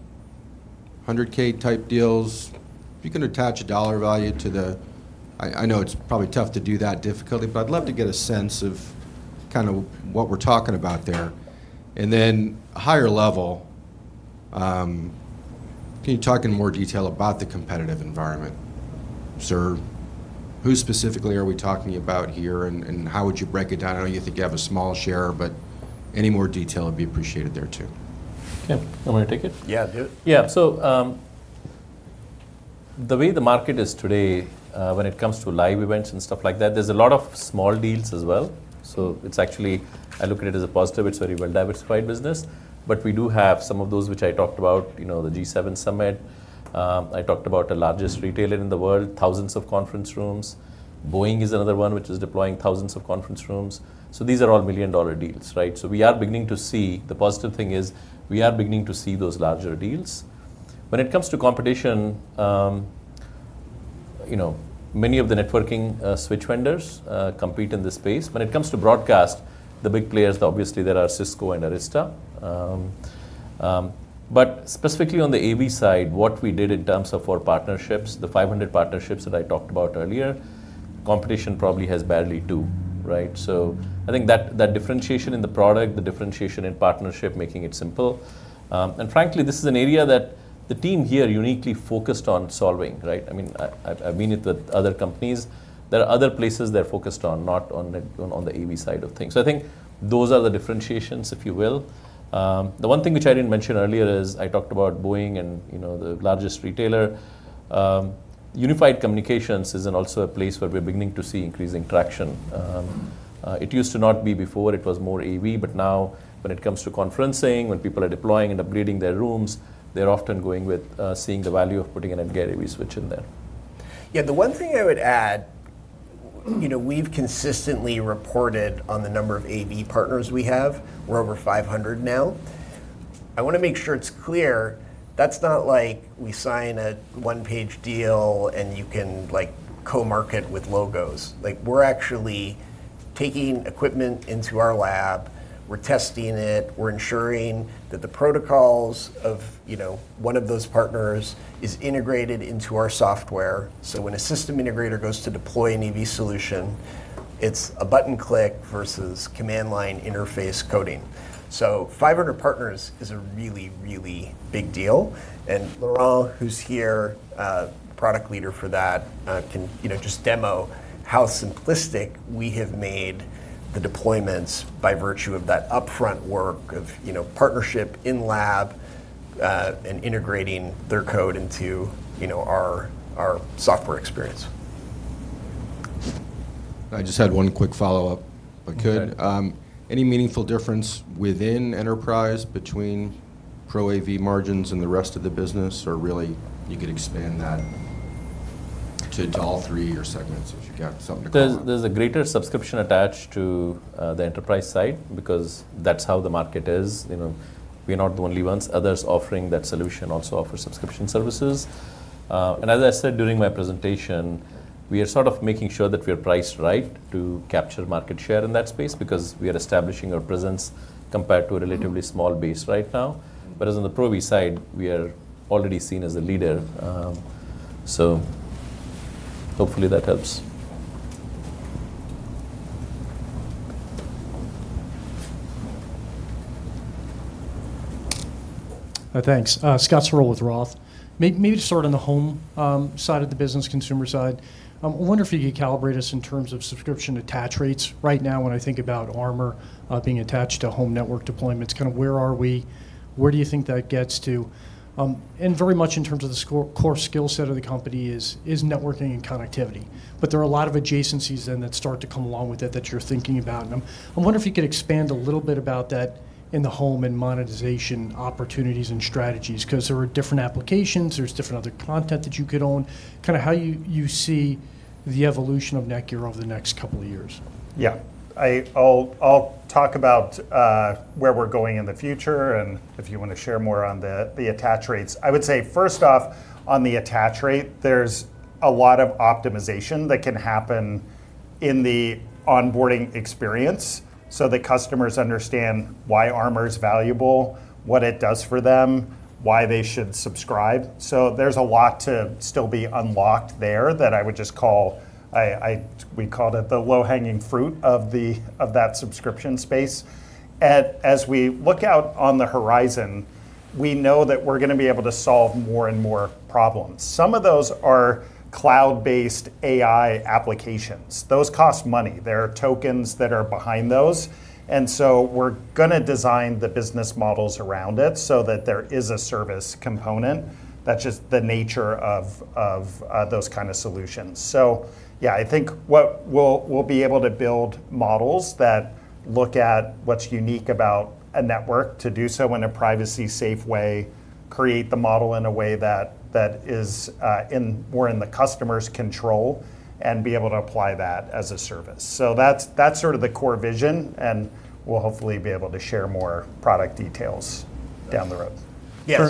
$100,000-type deals? If you can attach a dollar value to the—I know it's probably tough to do that difficulty, but I'd love to get a sense of kind of what we're talking about there. Then higher level, can you talk in more detail about the competitive environment? Sir, who specifically are we talking about here? How would you break it down? I know you think you have a small share, but any more detail would be appreciated there too.
Yeah, I want to take it.
Yeah, do it.
Yeah, so the way the market is today when it comes to live events and stuff like that, there's a lot of small deals as well. It's actually—I look at it as a positive. It's a very well-diversified business. We do have some of those which I talked about, the G7 Summit. I talked about the largest retailer in the world, thousands of conference rooms. Boeing is another one which is deploying thousands of conference rooms. These are all million-dollar deals, right? We are beginning to see—the positive thing is we are beginning to see those larger deals. When it comes to competition, many of the networking switch vendors compete in this space. When it comes to broadcast, the big players, obviously, there are Cisco and Arista. Specifically on the AV side, what we did in terms of our partnerships, the 500 partnerships that I talked about earlier, competition probably has barely two, right? I think that differentiation in the product, the differentiation in partnership, making it simple. Frankly, this is an area that the team here uniquely focused on solving, right? I mean, I've been with other companies. There are other places they're focused on, not on the AV side of things. I think those are the differentiations, if you will. The one thing which I didn't mention earlier is I talked about Boeing and the largest retailer. Unified Communications is also a place where we're beginning to see increasing traction. It used to not be before. It was more AV. Now, when it comes to conferencing, when people are deploying and upgrading their rooms, they're often going with seeing the value of putting a NETGEAR AV switch in there.
Yeah, the one thing I would add, we've consistently reported on the number of AV partners we have. We're over 500 now. I want to make sure it's clear. That's not like we sign a one-page deal and you can co-market with logos. We're actually taking equipment into our lab. We're testing it. We're ensuring that the protocols of one of those partners are integrated into our software. When a system integrator goes to deploy an AV solution, it's a button click versus command line interface coding. 500 partners is a really, really big deal. Laurent, who's here, product leader for that, can just demo how simplistic we have made the deployments by virtue of that upfront work of partnership in lab and integrating their code into our software experience.
I just had one quick follow-up, if I could. Any meaningful difference within enterprise between ProAV margins and the rest of the business? Or really, you could expand that to all three of your segments if you got something to call out.
There's a greater subscription attached to the enterprise side because that's how the market is. We're not the only ones. Others offering that solution also offer subscription services. As I said during my presentation, we are sort of making sure that we are priced right to capture market share in that space because we are establishing our presence compared to a relatively small base right now. As on the ProAV side, we are already seen as a leader. Hopefully that helps.
Thanks. Scott Searle with Roth. Maybe to start on the home side of the business, consumer side, I wonder if you could calibrate us in terms of subscription attach rates. Right now, when I think about Armor being attached to home network deployments, kind of where are we? Where do you think that gets to? Very much in terms of the core skill set of the company is networking and connectivity. There are a lot of adjacencies then that start to come along with it that you're thinking about. I wonder if you could expand a little bit about that in the home and monetization opportunities and strategies because there are different applications. There is different other content that you could own. Kind of how you see the evolution of NETGEAR over the next couple of years.
Yeah, I'll talk about where we're going in the future and if you want to share more on the attach rates. I would say, first off, on the attach rate, there's a lot of optimization that can happen in the onboarding experience so that customers understand why Armor is valuable, what it does for them, why they should subscribe. There's a lot to still be unlocked there that I would just call, we call it the low-hanging fruit of that subscription space. As we look out on the horizon, we know that we're going to be able to solve more and more problems. Some of those are cloud-based AI applications. Those cost money. There are tokens that are behind those. We're going to design the business models around it so that there is a service component. That's just the nature of those kinds of solutions. Yeah, I think we'll be able to build models that look at what's unique about a network to do so in a privacy-safe way, create the model in a way that is more in the customer's control, and be able to apply that as a service. That's sort of the core vision. We'll hopefully be able to share more product details down the road.
Yeah,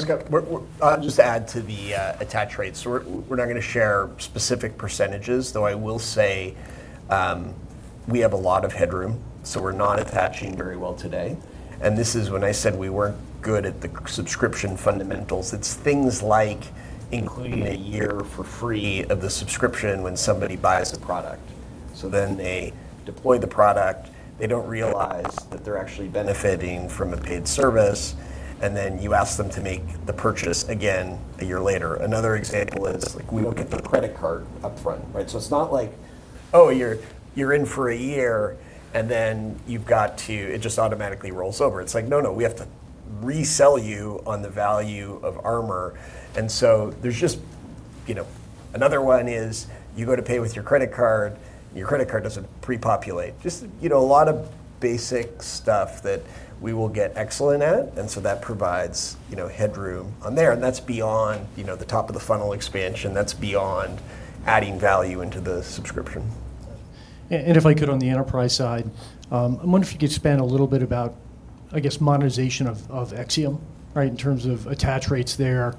I'll just add to the attach rates. We're not going to share specific percentages, though I will say we have a lot of headroom. We're not attaching very well today. This is when I said we weren't good at the subscription fundamentals. It's things like including a year for free of the subscription when somebody buys a product. They deploy the product. They don't realize that they're actually benefiting from a paid service. You ask them to make the purchase again a year later. Another example is we don't get the credit card upfront, right? It's not like, "Oh, you're in for a year, and then you've got to," it just automatically rolls over. It's like, "No, no, we have to resell you on the value of Armor." There is just another one is you go to pay with your credit card. Your credit card does not pre-populate. Just a lot of basic stuff that we will get excellent at. That provides headroom on there. That is beyond the top of the funnel expansion. That is beyond adding value into the subscription.
If I could, on the enterprise side, I wonder if you could expand a little bit about, I guess, monetization of Exium, right, in terms of attach rates there.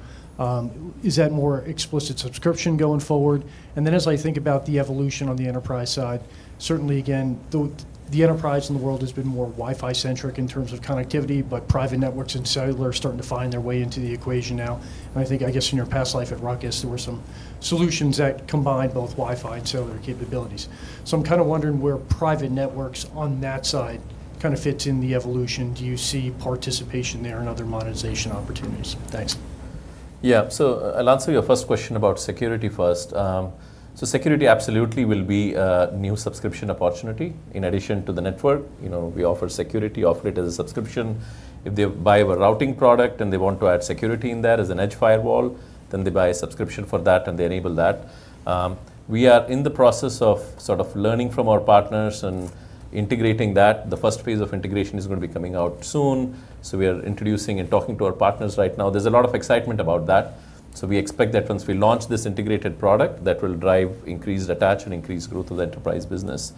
Is that more explicit subscription going forward? As I think about the evolution on the enterprise side, certainly, again, the enterprise in the world has been more Wi-Fi-centric in terms of connectivity. Private networks and cellular are starting to find their way into the equation now. I think, I guess, in your past life at Ruckus, there were some solutions that combined both Wi-Fi and cellular capabilities. I'm kind of wondering where private networks on that side kind of fits in the evolution. Do you see participation there in other monetization opportunities? Thanks.
Yeah, so I'll answer your first question about security first. Security absolutely will be a new subscription opportunity in addition to the network. We offer security, offer it as a subscription. If they buy a routing product and they want to add security in that as an edge firewall, then they buy a subscription for that and they enable that. We are in the process of sort of learning from our partners and integrating that. The first phase of integration is going to be coming out soon. We are introducing and talking to our partners right now. There's a lot of excitement about that. We expect that once we launch this integrated product, that will drive increased attach and increased growth of the enterprise business.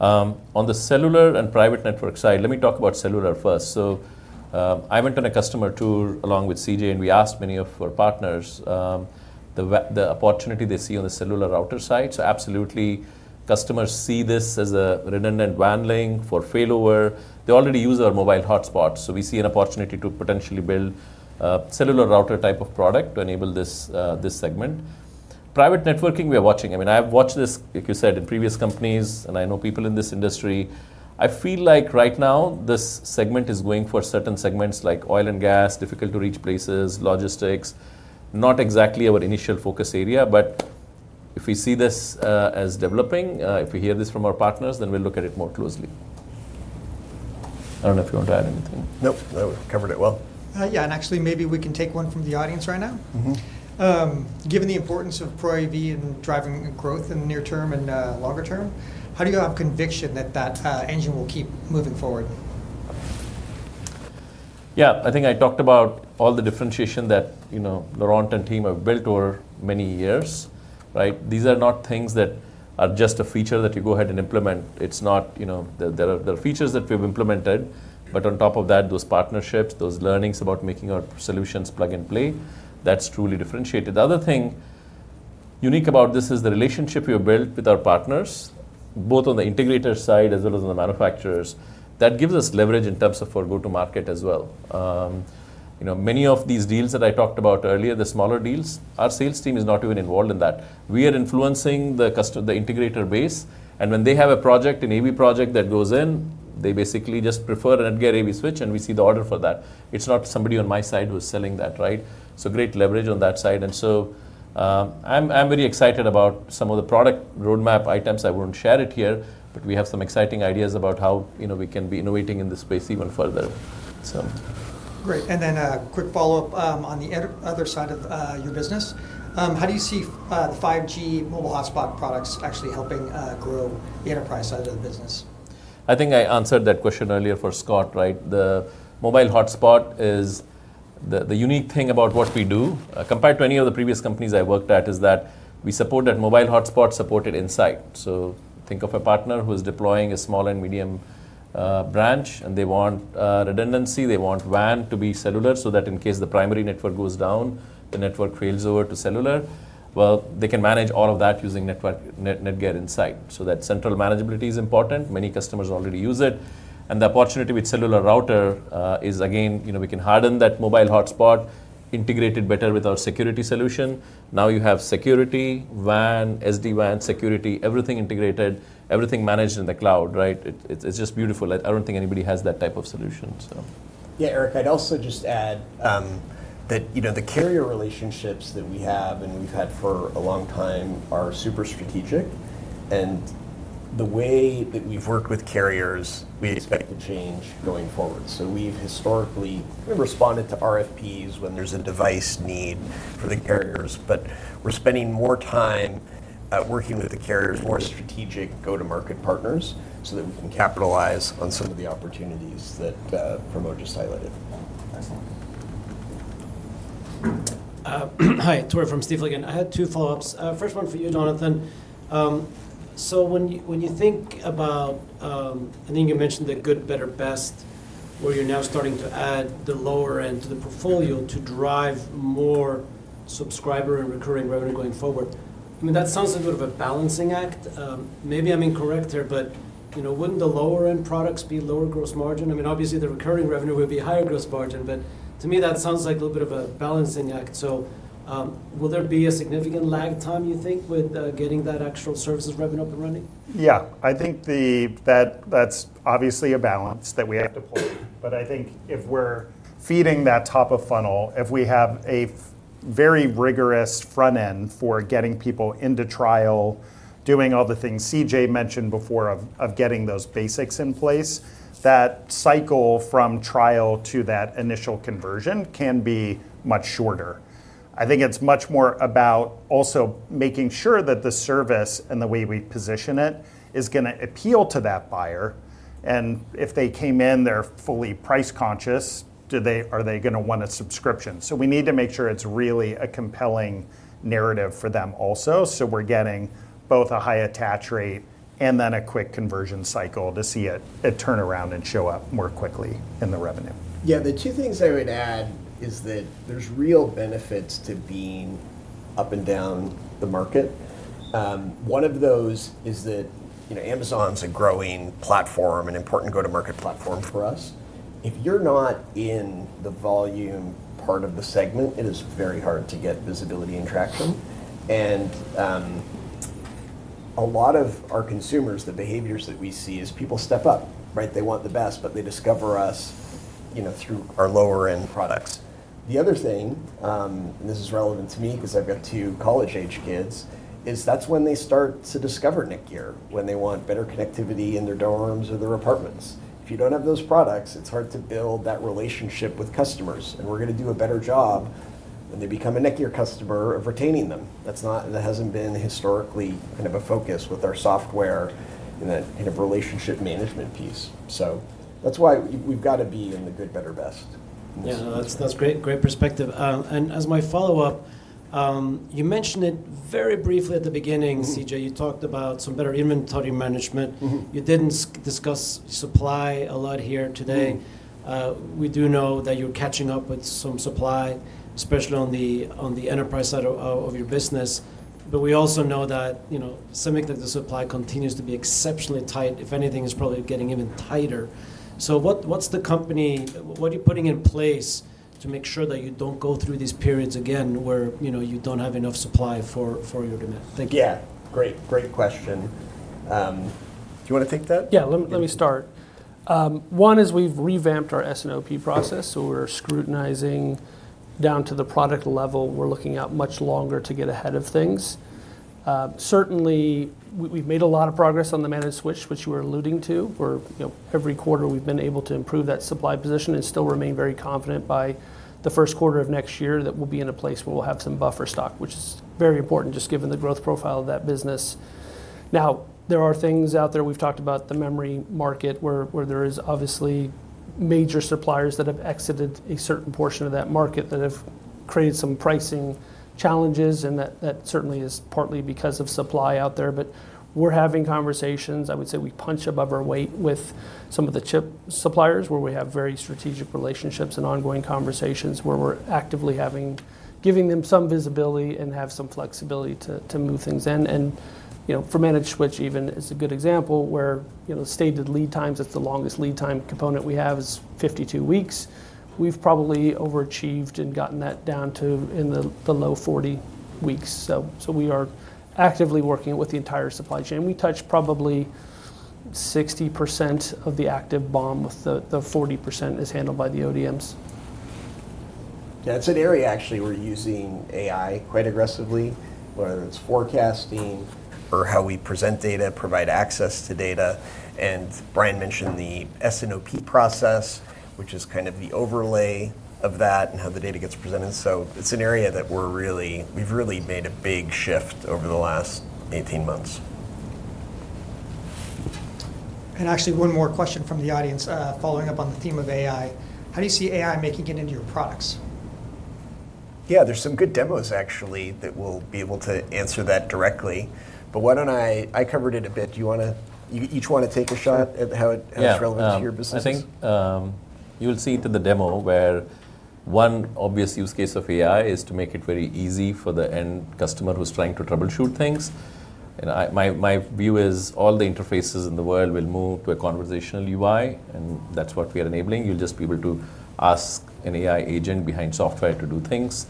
On the cellular and private network side, let me talk about cellular first. I went on a customer tour along with CJ, and we asked many of our partners the opportunity they see on the cellular router side. Absolutely, customers see this as a redundant WAN link for failover. They already use our mobile hotspot. We see an opportunity to potentially build a cellular router type of product to enable this segment. Private networking, we are watching. I mean, I have watched this, like you said, in previous companies, and I know people in this industry. I feel like right now, this segment is going for certain segments like oil and gas, difficult-to-reach places, logistics. Not exactly our initial focus area. If we see this as developing, if we hear this from our partners, then we'll look at it more closely. I don't know if you want to add anything.
Nope. That covered it well.
Yeah, and actually, maybe we can take one from the audience right now. Given the importance of ProAV and driving growth in the near term and longer term, how do you have conviction that that engine will keep moving forward?
Yeah, I think I talked about all the differentiation that Laurent and team have built over many years, right? These are not things that are just a feature that you go ahead and implement. It's not there are features that we've implemented. On top of that, those partnerships, those learnings about making our solutions plug and play, that's truly differentiated. The other thing unique about this is the relationship we have built with our partners, both on the integrator side as well as on the manufacturers. That gives us leverage in terms of our go-to-market as well. Many of these deals that I talked about earlier, the smaller deals, our sales team is not even involved in that. We are influencing the integrator base. When they have a project, an AV project that goes in, they basically just prefer a NETGEAR AV switch, and we see the order for that. It's not somebody on my side who's selling that, right? Great leverage on that side. I'm very excited about some of the product roadmap items. I won't share it here, but we have some exciting ideas about how we can be innovating in this space even further.
Great. A quick follow-up on the other side of your business. How do you see the 5G mobile hotspot products actually helping grow the enterprise side of the business?
I think I answered that question earlier for Scott, right? The mobile hotspot is the unique thing about what we do compared to any of the previous companies I worked at, is that we support that mobile hotspot supported inside. Think of a partner who is deploying a small and medium branch, and they want redundancy. They want WAN to be cellular so that in case the primary network goes down, the network fails over to cellular. They can manage all of that using NETGEAR Insight. That central manageability is important. Many customers already use it. The opportunity with cellular router is, again, we can harden that mobile hotspot, integrate it better with our security solution. Now you have security, WAN, SD-WAN, security, everything integrated, everything managed in the cloud, right? It's just beautiful. I do not think anybody has that type of solution.
Yeah, Eric, I'd also just add that the carrier relationships that we have and we've had for a long time are super strategic. The way that we've worked with carriers, we expect to change going forward. We've historically responded to RFPs when there's a device need for the carriers. We're spending more time working with the carriers, more strategic go-to-market partners so that we can capitalize on some of the opportunities that Pramod just highlighted.
Hi, Tore from Stifel. I had two follow-ups. First one for you, Jonathan. When you think about, I think you mentioned the good, better, best, where you're now starting to add the lower end to the portfolio to drive more subscriber and recurring revenue going forward. I mean, that sounds a little bit of a balancing act. Maybe I'm incorrect here, but wouldn't the lower-end products be lower gross margin? I mean, obviously, the recurring revenue would be higher gross margin. To me, that sounds like a little bit of a balancing act. Will there be a significant lag time, you think, with getting that actual services revenue up and running?
Yeah, I think that's obviously a balance that we have to play. I think if we're feeding that top of funnel, if we have a very rigorous front end for getting people into trial, doing all the things CJ mentioned before of getting those basics in place, that cycle from trial to that initial conversion can be much shorter. I think it's much more about also making sure that the service and the way we position it is going to appeal to that buyer. If they came in, they're fully price conscious. Are they going to want a subscription? We need to make sure it's really a compelling narrative for them also. We're getting both a high attach rate and then a quick conversion cycle to see it turn around and show up more quickly in the revenue.
Yeah, the two things I would add is that there's real benefits to being up and down the market. One of those is that Amazon's a growing platform, an important go-to-market platform for us. If you're not in the volume part of the segment, it is very hard to get visibility and traction. A lot of our consumers, the behaviors that we see is people step up, right? They want the best, but they discover us through our lower-end products. The other thing, and this is relevant to me because I've got two college-age kids, is that's when they start to discover NETGEAR, when they want better connectivity in their dorms or their apartments. If you don't have those products, it's hard to build that relationship with customers. We're going to do a better job when they become a NETGEAR customer of retaining them. That hasn't been historically kind of a focus with our software in that kind of relationship management piece. That's why we've got to be in the good, better, best.
Yeah, that's great perspective. As my follow-up, you mentioned it very briefly at the beginning, CJ. You talked about some better inventory management. You didn't discuss supply a lot here today. We do know that you're catching up with some supply, especially on the enterprise side of your business. We also know that semiconductor supply continues to be exceptionally tight. If anything, it's probably getting even tighter. What is the company putting in place to make sure that you don't go through these periods again where you don't have enough supply for your demand? Thank you.
Yeah, great. Great question. Do you want to take that?
Yeah, let me start. One is we've revamped our S&OP process. So we're scrutinizing down to the product level. We're looking out much longer to get ahead of things. Certainly, we've made a lot of progress on the managed switch, which you were alluding to. Every quarter, we've been able to improve that supply position and still remain very confident by the first quarter of next year that we'll be in a place where we'll have some buffer stock, which is very important just given the growth profile of that business. Now, there are things out there. We've talked about the memory market where there are obviously major suppliers that have exited a certain portion of that market that have created some pricing challenges. That certainly is partly because of supply out there. But we're having conversations. I would say we punch above our weight with some of the chip suppliers where we have very strategic relationships and ongoing conversations where we're actively giving them some visibility and have some flexibility to move things in. For managed switch, even is a good example where stated lead times, it's the longest lead time component we have is 52 weeks. We've probably overachieved and gotten that down to in the low 40 weeks. We are actively working with the entire supply chain. We touch probably 60% of the active BOM, with the 40% handled by the ODMs.
Yeah, it's an area actually we're using AI quite aggressively, whether it's forecasting or how we present data, provide access to data. Bryan mentioned the S&OP process, which is kind of the overlay of that and how the data gets presented. It's an area that we've really made a big shift over the last 18 months.
Actually, one more question from the audience following up on the theme of AI. How do you see AI making it into your products?
Yeah, there's some good demos actually that will be able to answer that directly. Why don't I—I covered it a bit. Do you want to—you each want to take a shot at how it's relevant to your business?
Yeah, I think you will see it in the demo where one obvious use case of AI is to make it very easy for the end customer who's trying to troubleshoot things. My view is all the interfaces in the world will move to a conversational UI, and that's what we are enabling. You'll just be able to ask an AI agent behind software to do things.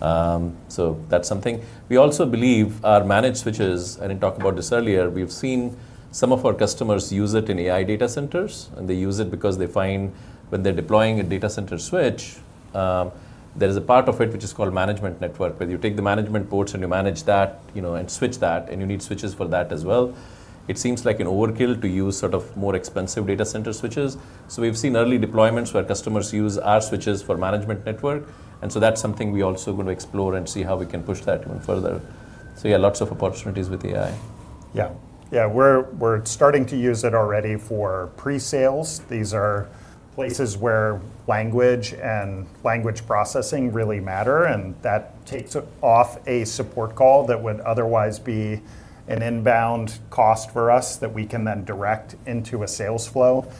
That's something. We also believe our managed switches, and I talked about this earlier, we've seen some of our customers use it in AI data centers. They use it because they find when they're deploying a data center switch, there is a part of it which is called management network, where you take the management ports and you manage that and switch that, and you need switches for that as well. It seems like an overkill to use sort of more expensive data center switches. We have seen early deployments where customers use our switches for management network. That is something we are also going to explore and see how we can push that even further. Yeah, lots of opportunities with AI.
Yeah, yeah, we're starting to use it already for pre-sales. These are places where language and language processing really matter. That takes off a support call that would otherwise be an inbound cost for us that we can then direct into a sales flow.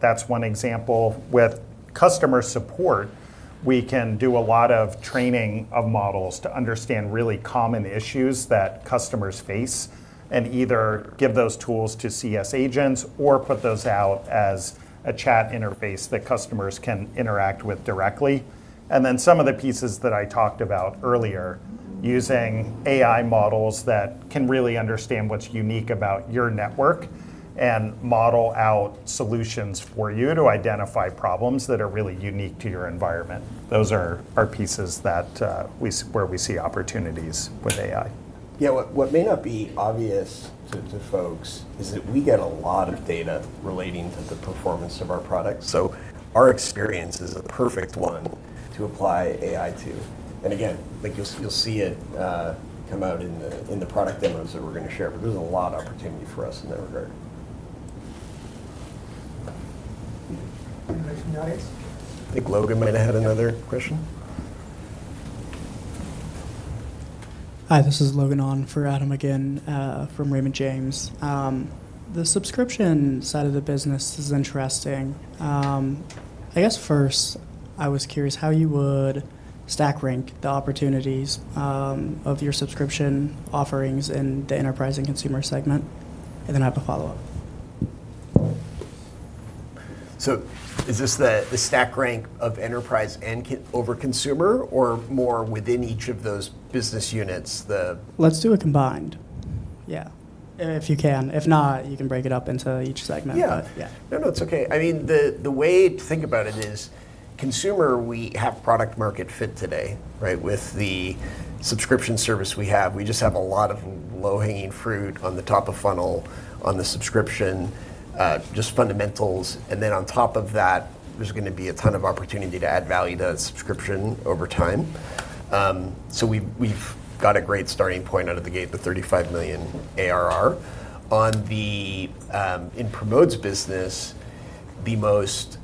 That's one example. With customer support, we can do a lot of training of models to understand really common issues that customers face and either give those tools to CS agents or put those out as a chat interface that customers can interact with directly. Some of the pieces that I talked about earlier, using AI models that can really understand what's unique about your network and model out solutions for you to identify problems that are really unique to your environment. Those are pieces where we see opportunities with AI.
Yeah, what may not be obvious to folks is that we get a lot of data relating to the performance of our products. So our experience is a perfect one to apply AI to. Again, you'll see it come out in the product demos that we're going to share. But there's a lot of opportunity for us in that regard.
Thank you, guys.
I think Logan might have had another question.
Hi, this is Logan for Adam again from Raymond James. The subscription side of the business is interesting. I guess first, I was curious how you would stack rank the opportunities of your subscription offerings in the enterprise and consumer segment. I have a follow-up.
Is this the stack rank of enterprise over consumer or more within each of those business units?
Let's do a combined, yeah, if you can. If not, you can break it up into each segment, but yeah.
No, no, it's okay. I mean, the way to think about it is consumer, we have product market fit today, right, with the subscription service we have. We just have a lot of low-hanging fruit on the top of funnel, on the subscription, just fundamentals. On top of that, there's going to be a ton of opportunity to add value to that subscription over time. We have a great starting point out of the gate with $35 million ARR. In Pramod's business, the most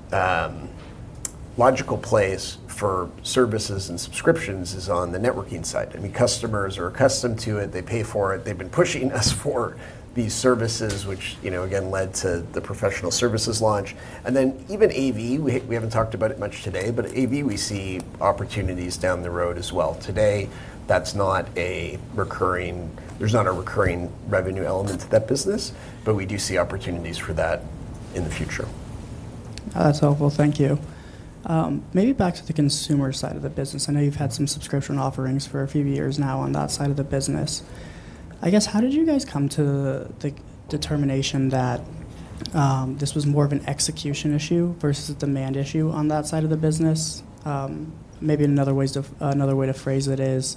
logical place for services and subscriptions is on the networking side. I mean, customers are accustomed to it. They pay for it. They've been pushing us for these services, which again led to the professional services launch. Even AV, we haven't talked about it much today, but AV, we see opportunities down the road as well. Today, that's not a recurring—there's not a recurring revenue element to that business, but we do see opportunities for that in the future.
That's helpful. Thank you. Maybe back to the consumer side of the business. I know you've had some subscription offerings for a few years now on that side of the business. I guess how did you guys come to the determination that this was more of an execution issue versus a demand issue on that side of the business? Maybe another way to phrase it is,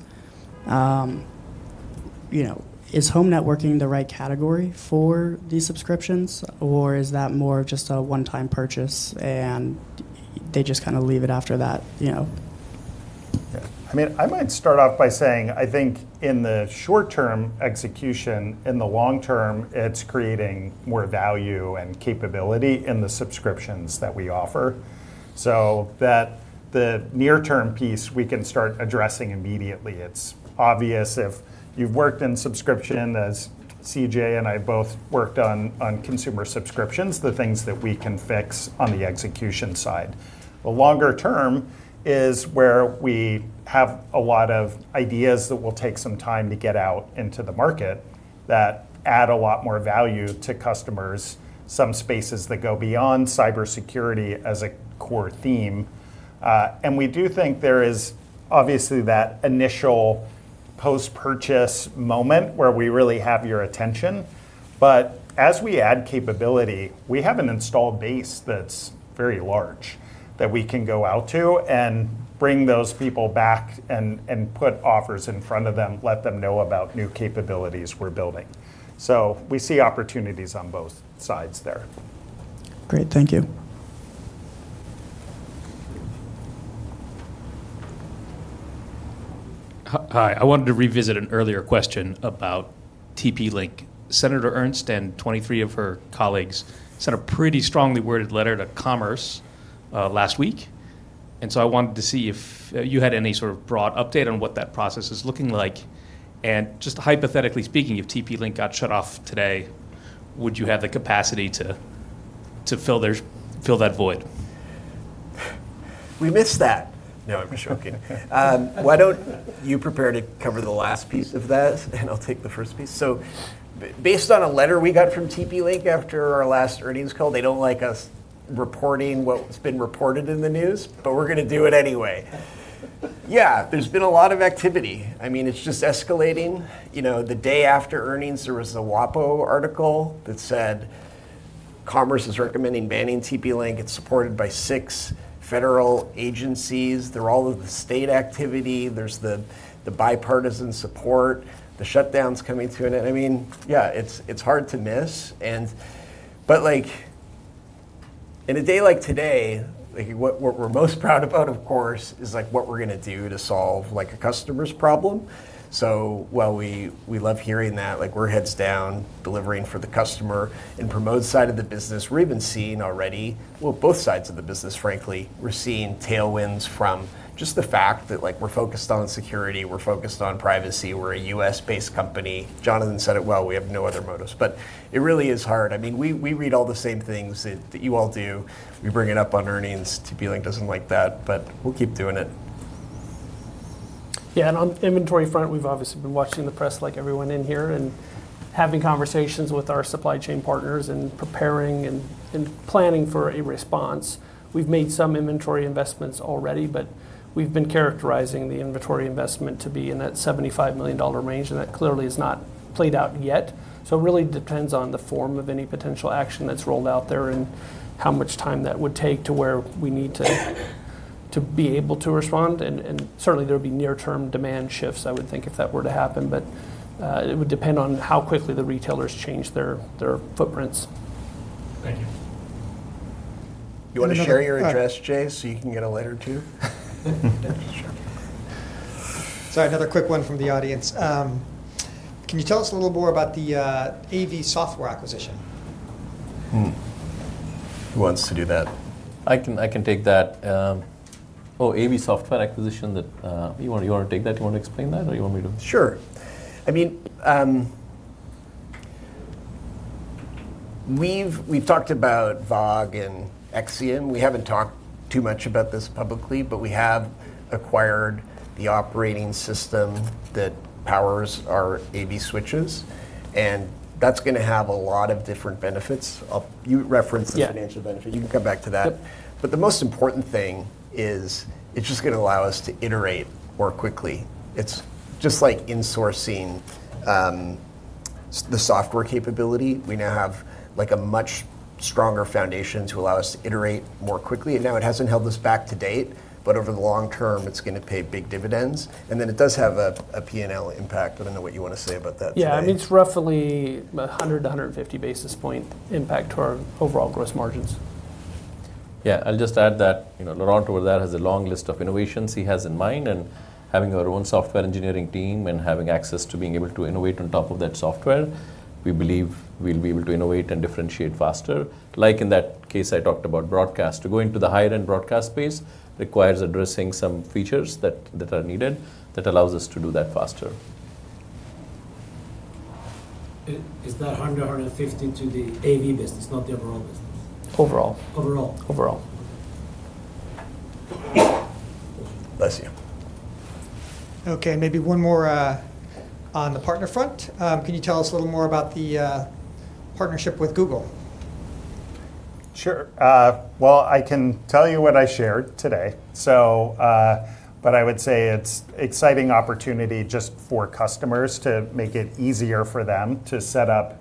is home networking the right category for these subscriptions, or is that more of just a one-time purchase and they just kind of leave it after that?
Yeah, I mean, I might start off by saying I think in the short-term execution, in the long-term, it's creating more value and capability in the subscriptions that we offer. The near-term piece we can start addressing immediately. It's obvious if you've worked in subscription, as CJ and I both worked on consumer subscriptions, the things that we can fix on the execution side. The longer term is where we have a lot of ideas that will take some time to get out into the market that add a lot more value to customers, some spaces that go beyond cybersecurity as a core theme. We do think there is obviously that initial post-purchase moment where we really have your attention. As we add capability, we have an installed base that's very large that we can go out to and bring those people back and put offers in front of them, let them know about new capabilities we're building. We see opportunities on both sides there.
Great, thank you. Hi, I wanted to revisit an earlier question about TP-Link. Senator Ernst and 23 of her colleagues sent a pretty strongly worded letter to Commerce last week. I wanted to see if you had any sort of broad update on what that process is looking like. Just hypothetically speaking, if TP-Link got shut off today, would you have the capacity to fill that void?
We missed that. No, I'm just joking. Why don't you prepare to cover the last piece of that, and I'll take the first piece. So based on a letter we got from TP-Link after our last earnings call, they do not like us reporting what has been reported in the news, but we're going to do it anyway. Yeah, there's been a lot of activity. I mean, it's just escalating. The day after earnings, there was a WAPO article that said Commerce is recommending banning TP-Link. It's supported by six federal agencies. They're all of the state activity. There's the bipartisan support, the shutdowns coming to an end. I mean, yeah, it's hard to miss. In a day like today, what we're most proud about, of course, is what we're going to do to solve a customer's problem. While we love hearing that, we're heads down delivering for the customer. In Pramod's side of the business, we're even seeing already—well, both sides of the business, frankly—we're seeing tailwinds from just the fact that we're focused on security, we're focused on privacy, we're a U.S.-based company. Jonathan said it well, we have no other motives. It really is hard. I mean, we read all the same things that you all do. We bring it up on earnings. TP-Link doesn't like that, but we'll keep doing it.
Yeah, and on the inventory front, we've obviously been watching the press like everyone in here and having conversations with our supply chain partners and preparing and planning for a response. We've made some inventory investments already, but we've been characterizing the inventory investment to be in that $75 million range. That clearly has not played out yet. It really depends on the form of any potential action that's rolled out there and how much time that would take to where we need to be able to respond. Certainly, there would be near-term demand shifts, I would think, if that were to happen. It would depend on how quickly the retailers change their footprints. Thank you.
You want to share your address, Jay, so you can get a letter too?
Sorry, another quick one from the audience. Can you tell us a little more about the AV software acquisition?
Who wants to do that? I can take that. Oh, AV software acquisition, you want to take that? You want to explain that, or you want me to?
Sure. I mean, we've talked about VOG and Exium. We haven't talked too much about this publicly, but we have acquired the operating system that powers our AV switches. That is going to have a lot of different benefits. You referenced the financial benefit. You can come back to that. The most important thing is it's just going to allow us to iterate more quickly. It's just like insourcing the software capability. We now have a much stronger foundation to allow us to iterate more quickly. It hasn't held us back to date, but over the long term, it's going to pay big dividends. It does have a P&L impact. I don't know what you want to say about that.
Yeah, I mean, it's roughly 100-150 basis point impact to our overall gross margins.
Yeah, I'll just add that Laurent over there has a long list of innovations he has in mind. Having our own software engineering team and having access to being able to innovate on top of that software, we believe we'll be able to innovate and differentiate faster. Like in that case I talked about broadcast, to go into the higher-end broadcast space requires addressing some features that are needed that allows us to do that faster.
Is that 100-150 to the AV business, not the overall business? Overall.
Overall.
Overall. Bless you.
Okay, maybe one more on the partner front. Can you tell us a little more about the partnership with Google?
Sure. I can tell you what I shared today. I would say it's an exciting opportunity just for customers to make it easier for them to set up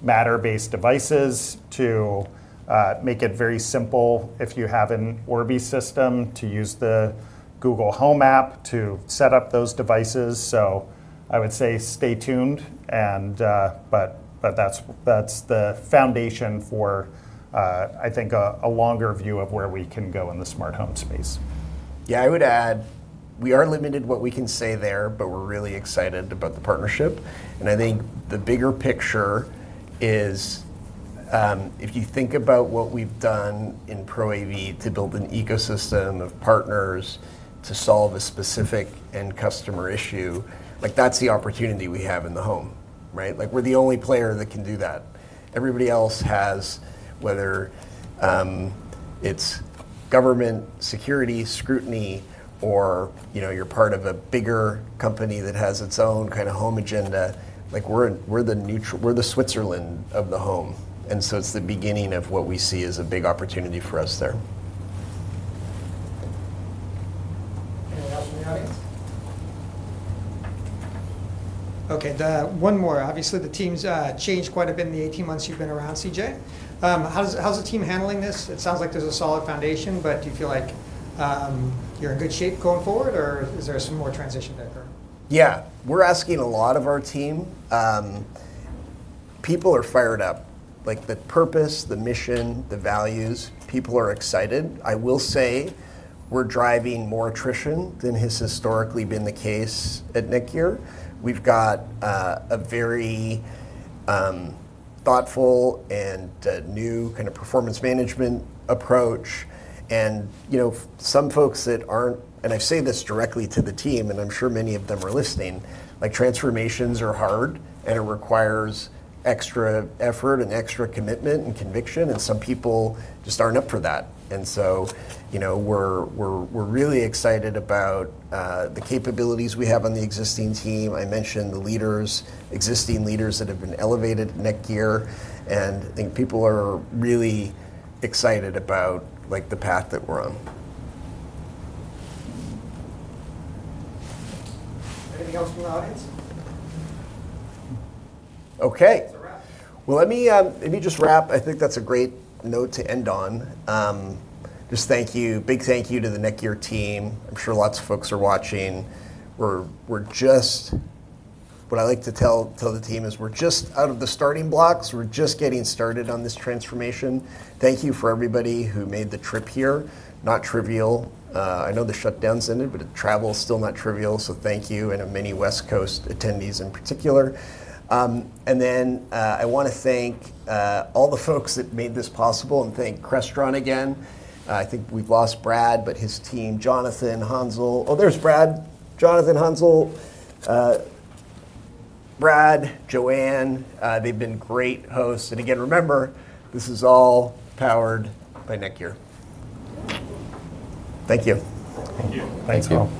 Matter-based devices, to make it very simple if you have an Orbi system, to use the Google Home app to set up those devices. I would say stay tuned. That's the foundation for, I think, a longer view of where we can go in the smart home space.
Yeah, I would add we are limited what we can say there, but we're really excited about the partnership. I think the bigger picture is if you think about what we've done in ProAV to build an ecosystem of partners to solve a specific end customer issue, that's the opportunity we have in the home, right? We're the only player that can do that. Everybody else has, whether it's government security scrutiny or you're part of a bigger company that has its own kind of home agenda, we're the Switzerland of the home. It's the beginning of what we see as a big opportunity for us there.
Anyone else in the audience? Okay, one more. Obviously, the team's changed quite a bit in the 18 months you've been around, CJ. How's the team handling this? It sounds like there's a solid foundation, but do you feel like you're in good shape going forward, or is there some more transition to occur?
Yeah, we're asking a lot of our team. People are fired up. The purpose, the mission, the values, people are excited. I will say we're driving more attrition than has historically been the case at NETGEAR. We've got a very thoughtful and new kind of performance management approach. Some folks that aren't—and I say this directly to the team, and I'm sure many of them are listening—transformations are hard and it requires extra effort and extra commitment and conviction. Some people just aren't up for that. We are really excited about the capabilities we have on the existing team. I mentioned the leaders, existing leaders that have been elevated at NETGEAR. I think people are really excited about the path that we're on.
Anything else from the audience?
Okay. Let me just wrap. I think that's a great note to end on. Just thank you, big thank you to the NETGEAR team. I'm sure lots of folks are watching. What I like to tell the team is we're just out of the starting blocks. We're just getting started on this transformation. Thank you for everybody who made the trip here. Not trivial. I know the shutdowns ended, but travel is still not trivial. Thank you and many West Coast attendees in particular. I want to thank all the folks that made this possible and thank Crestron again. I think we've lost Brad, but his team, Jonathan, Hansel. Oh, there's Brad. Jonathan, Hansel. Brad, Joanne. They've been great hosts. Again, remember, this is all powered by NETGEAR. Thank you.
Thanks all.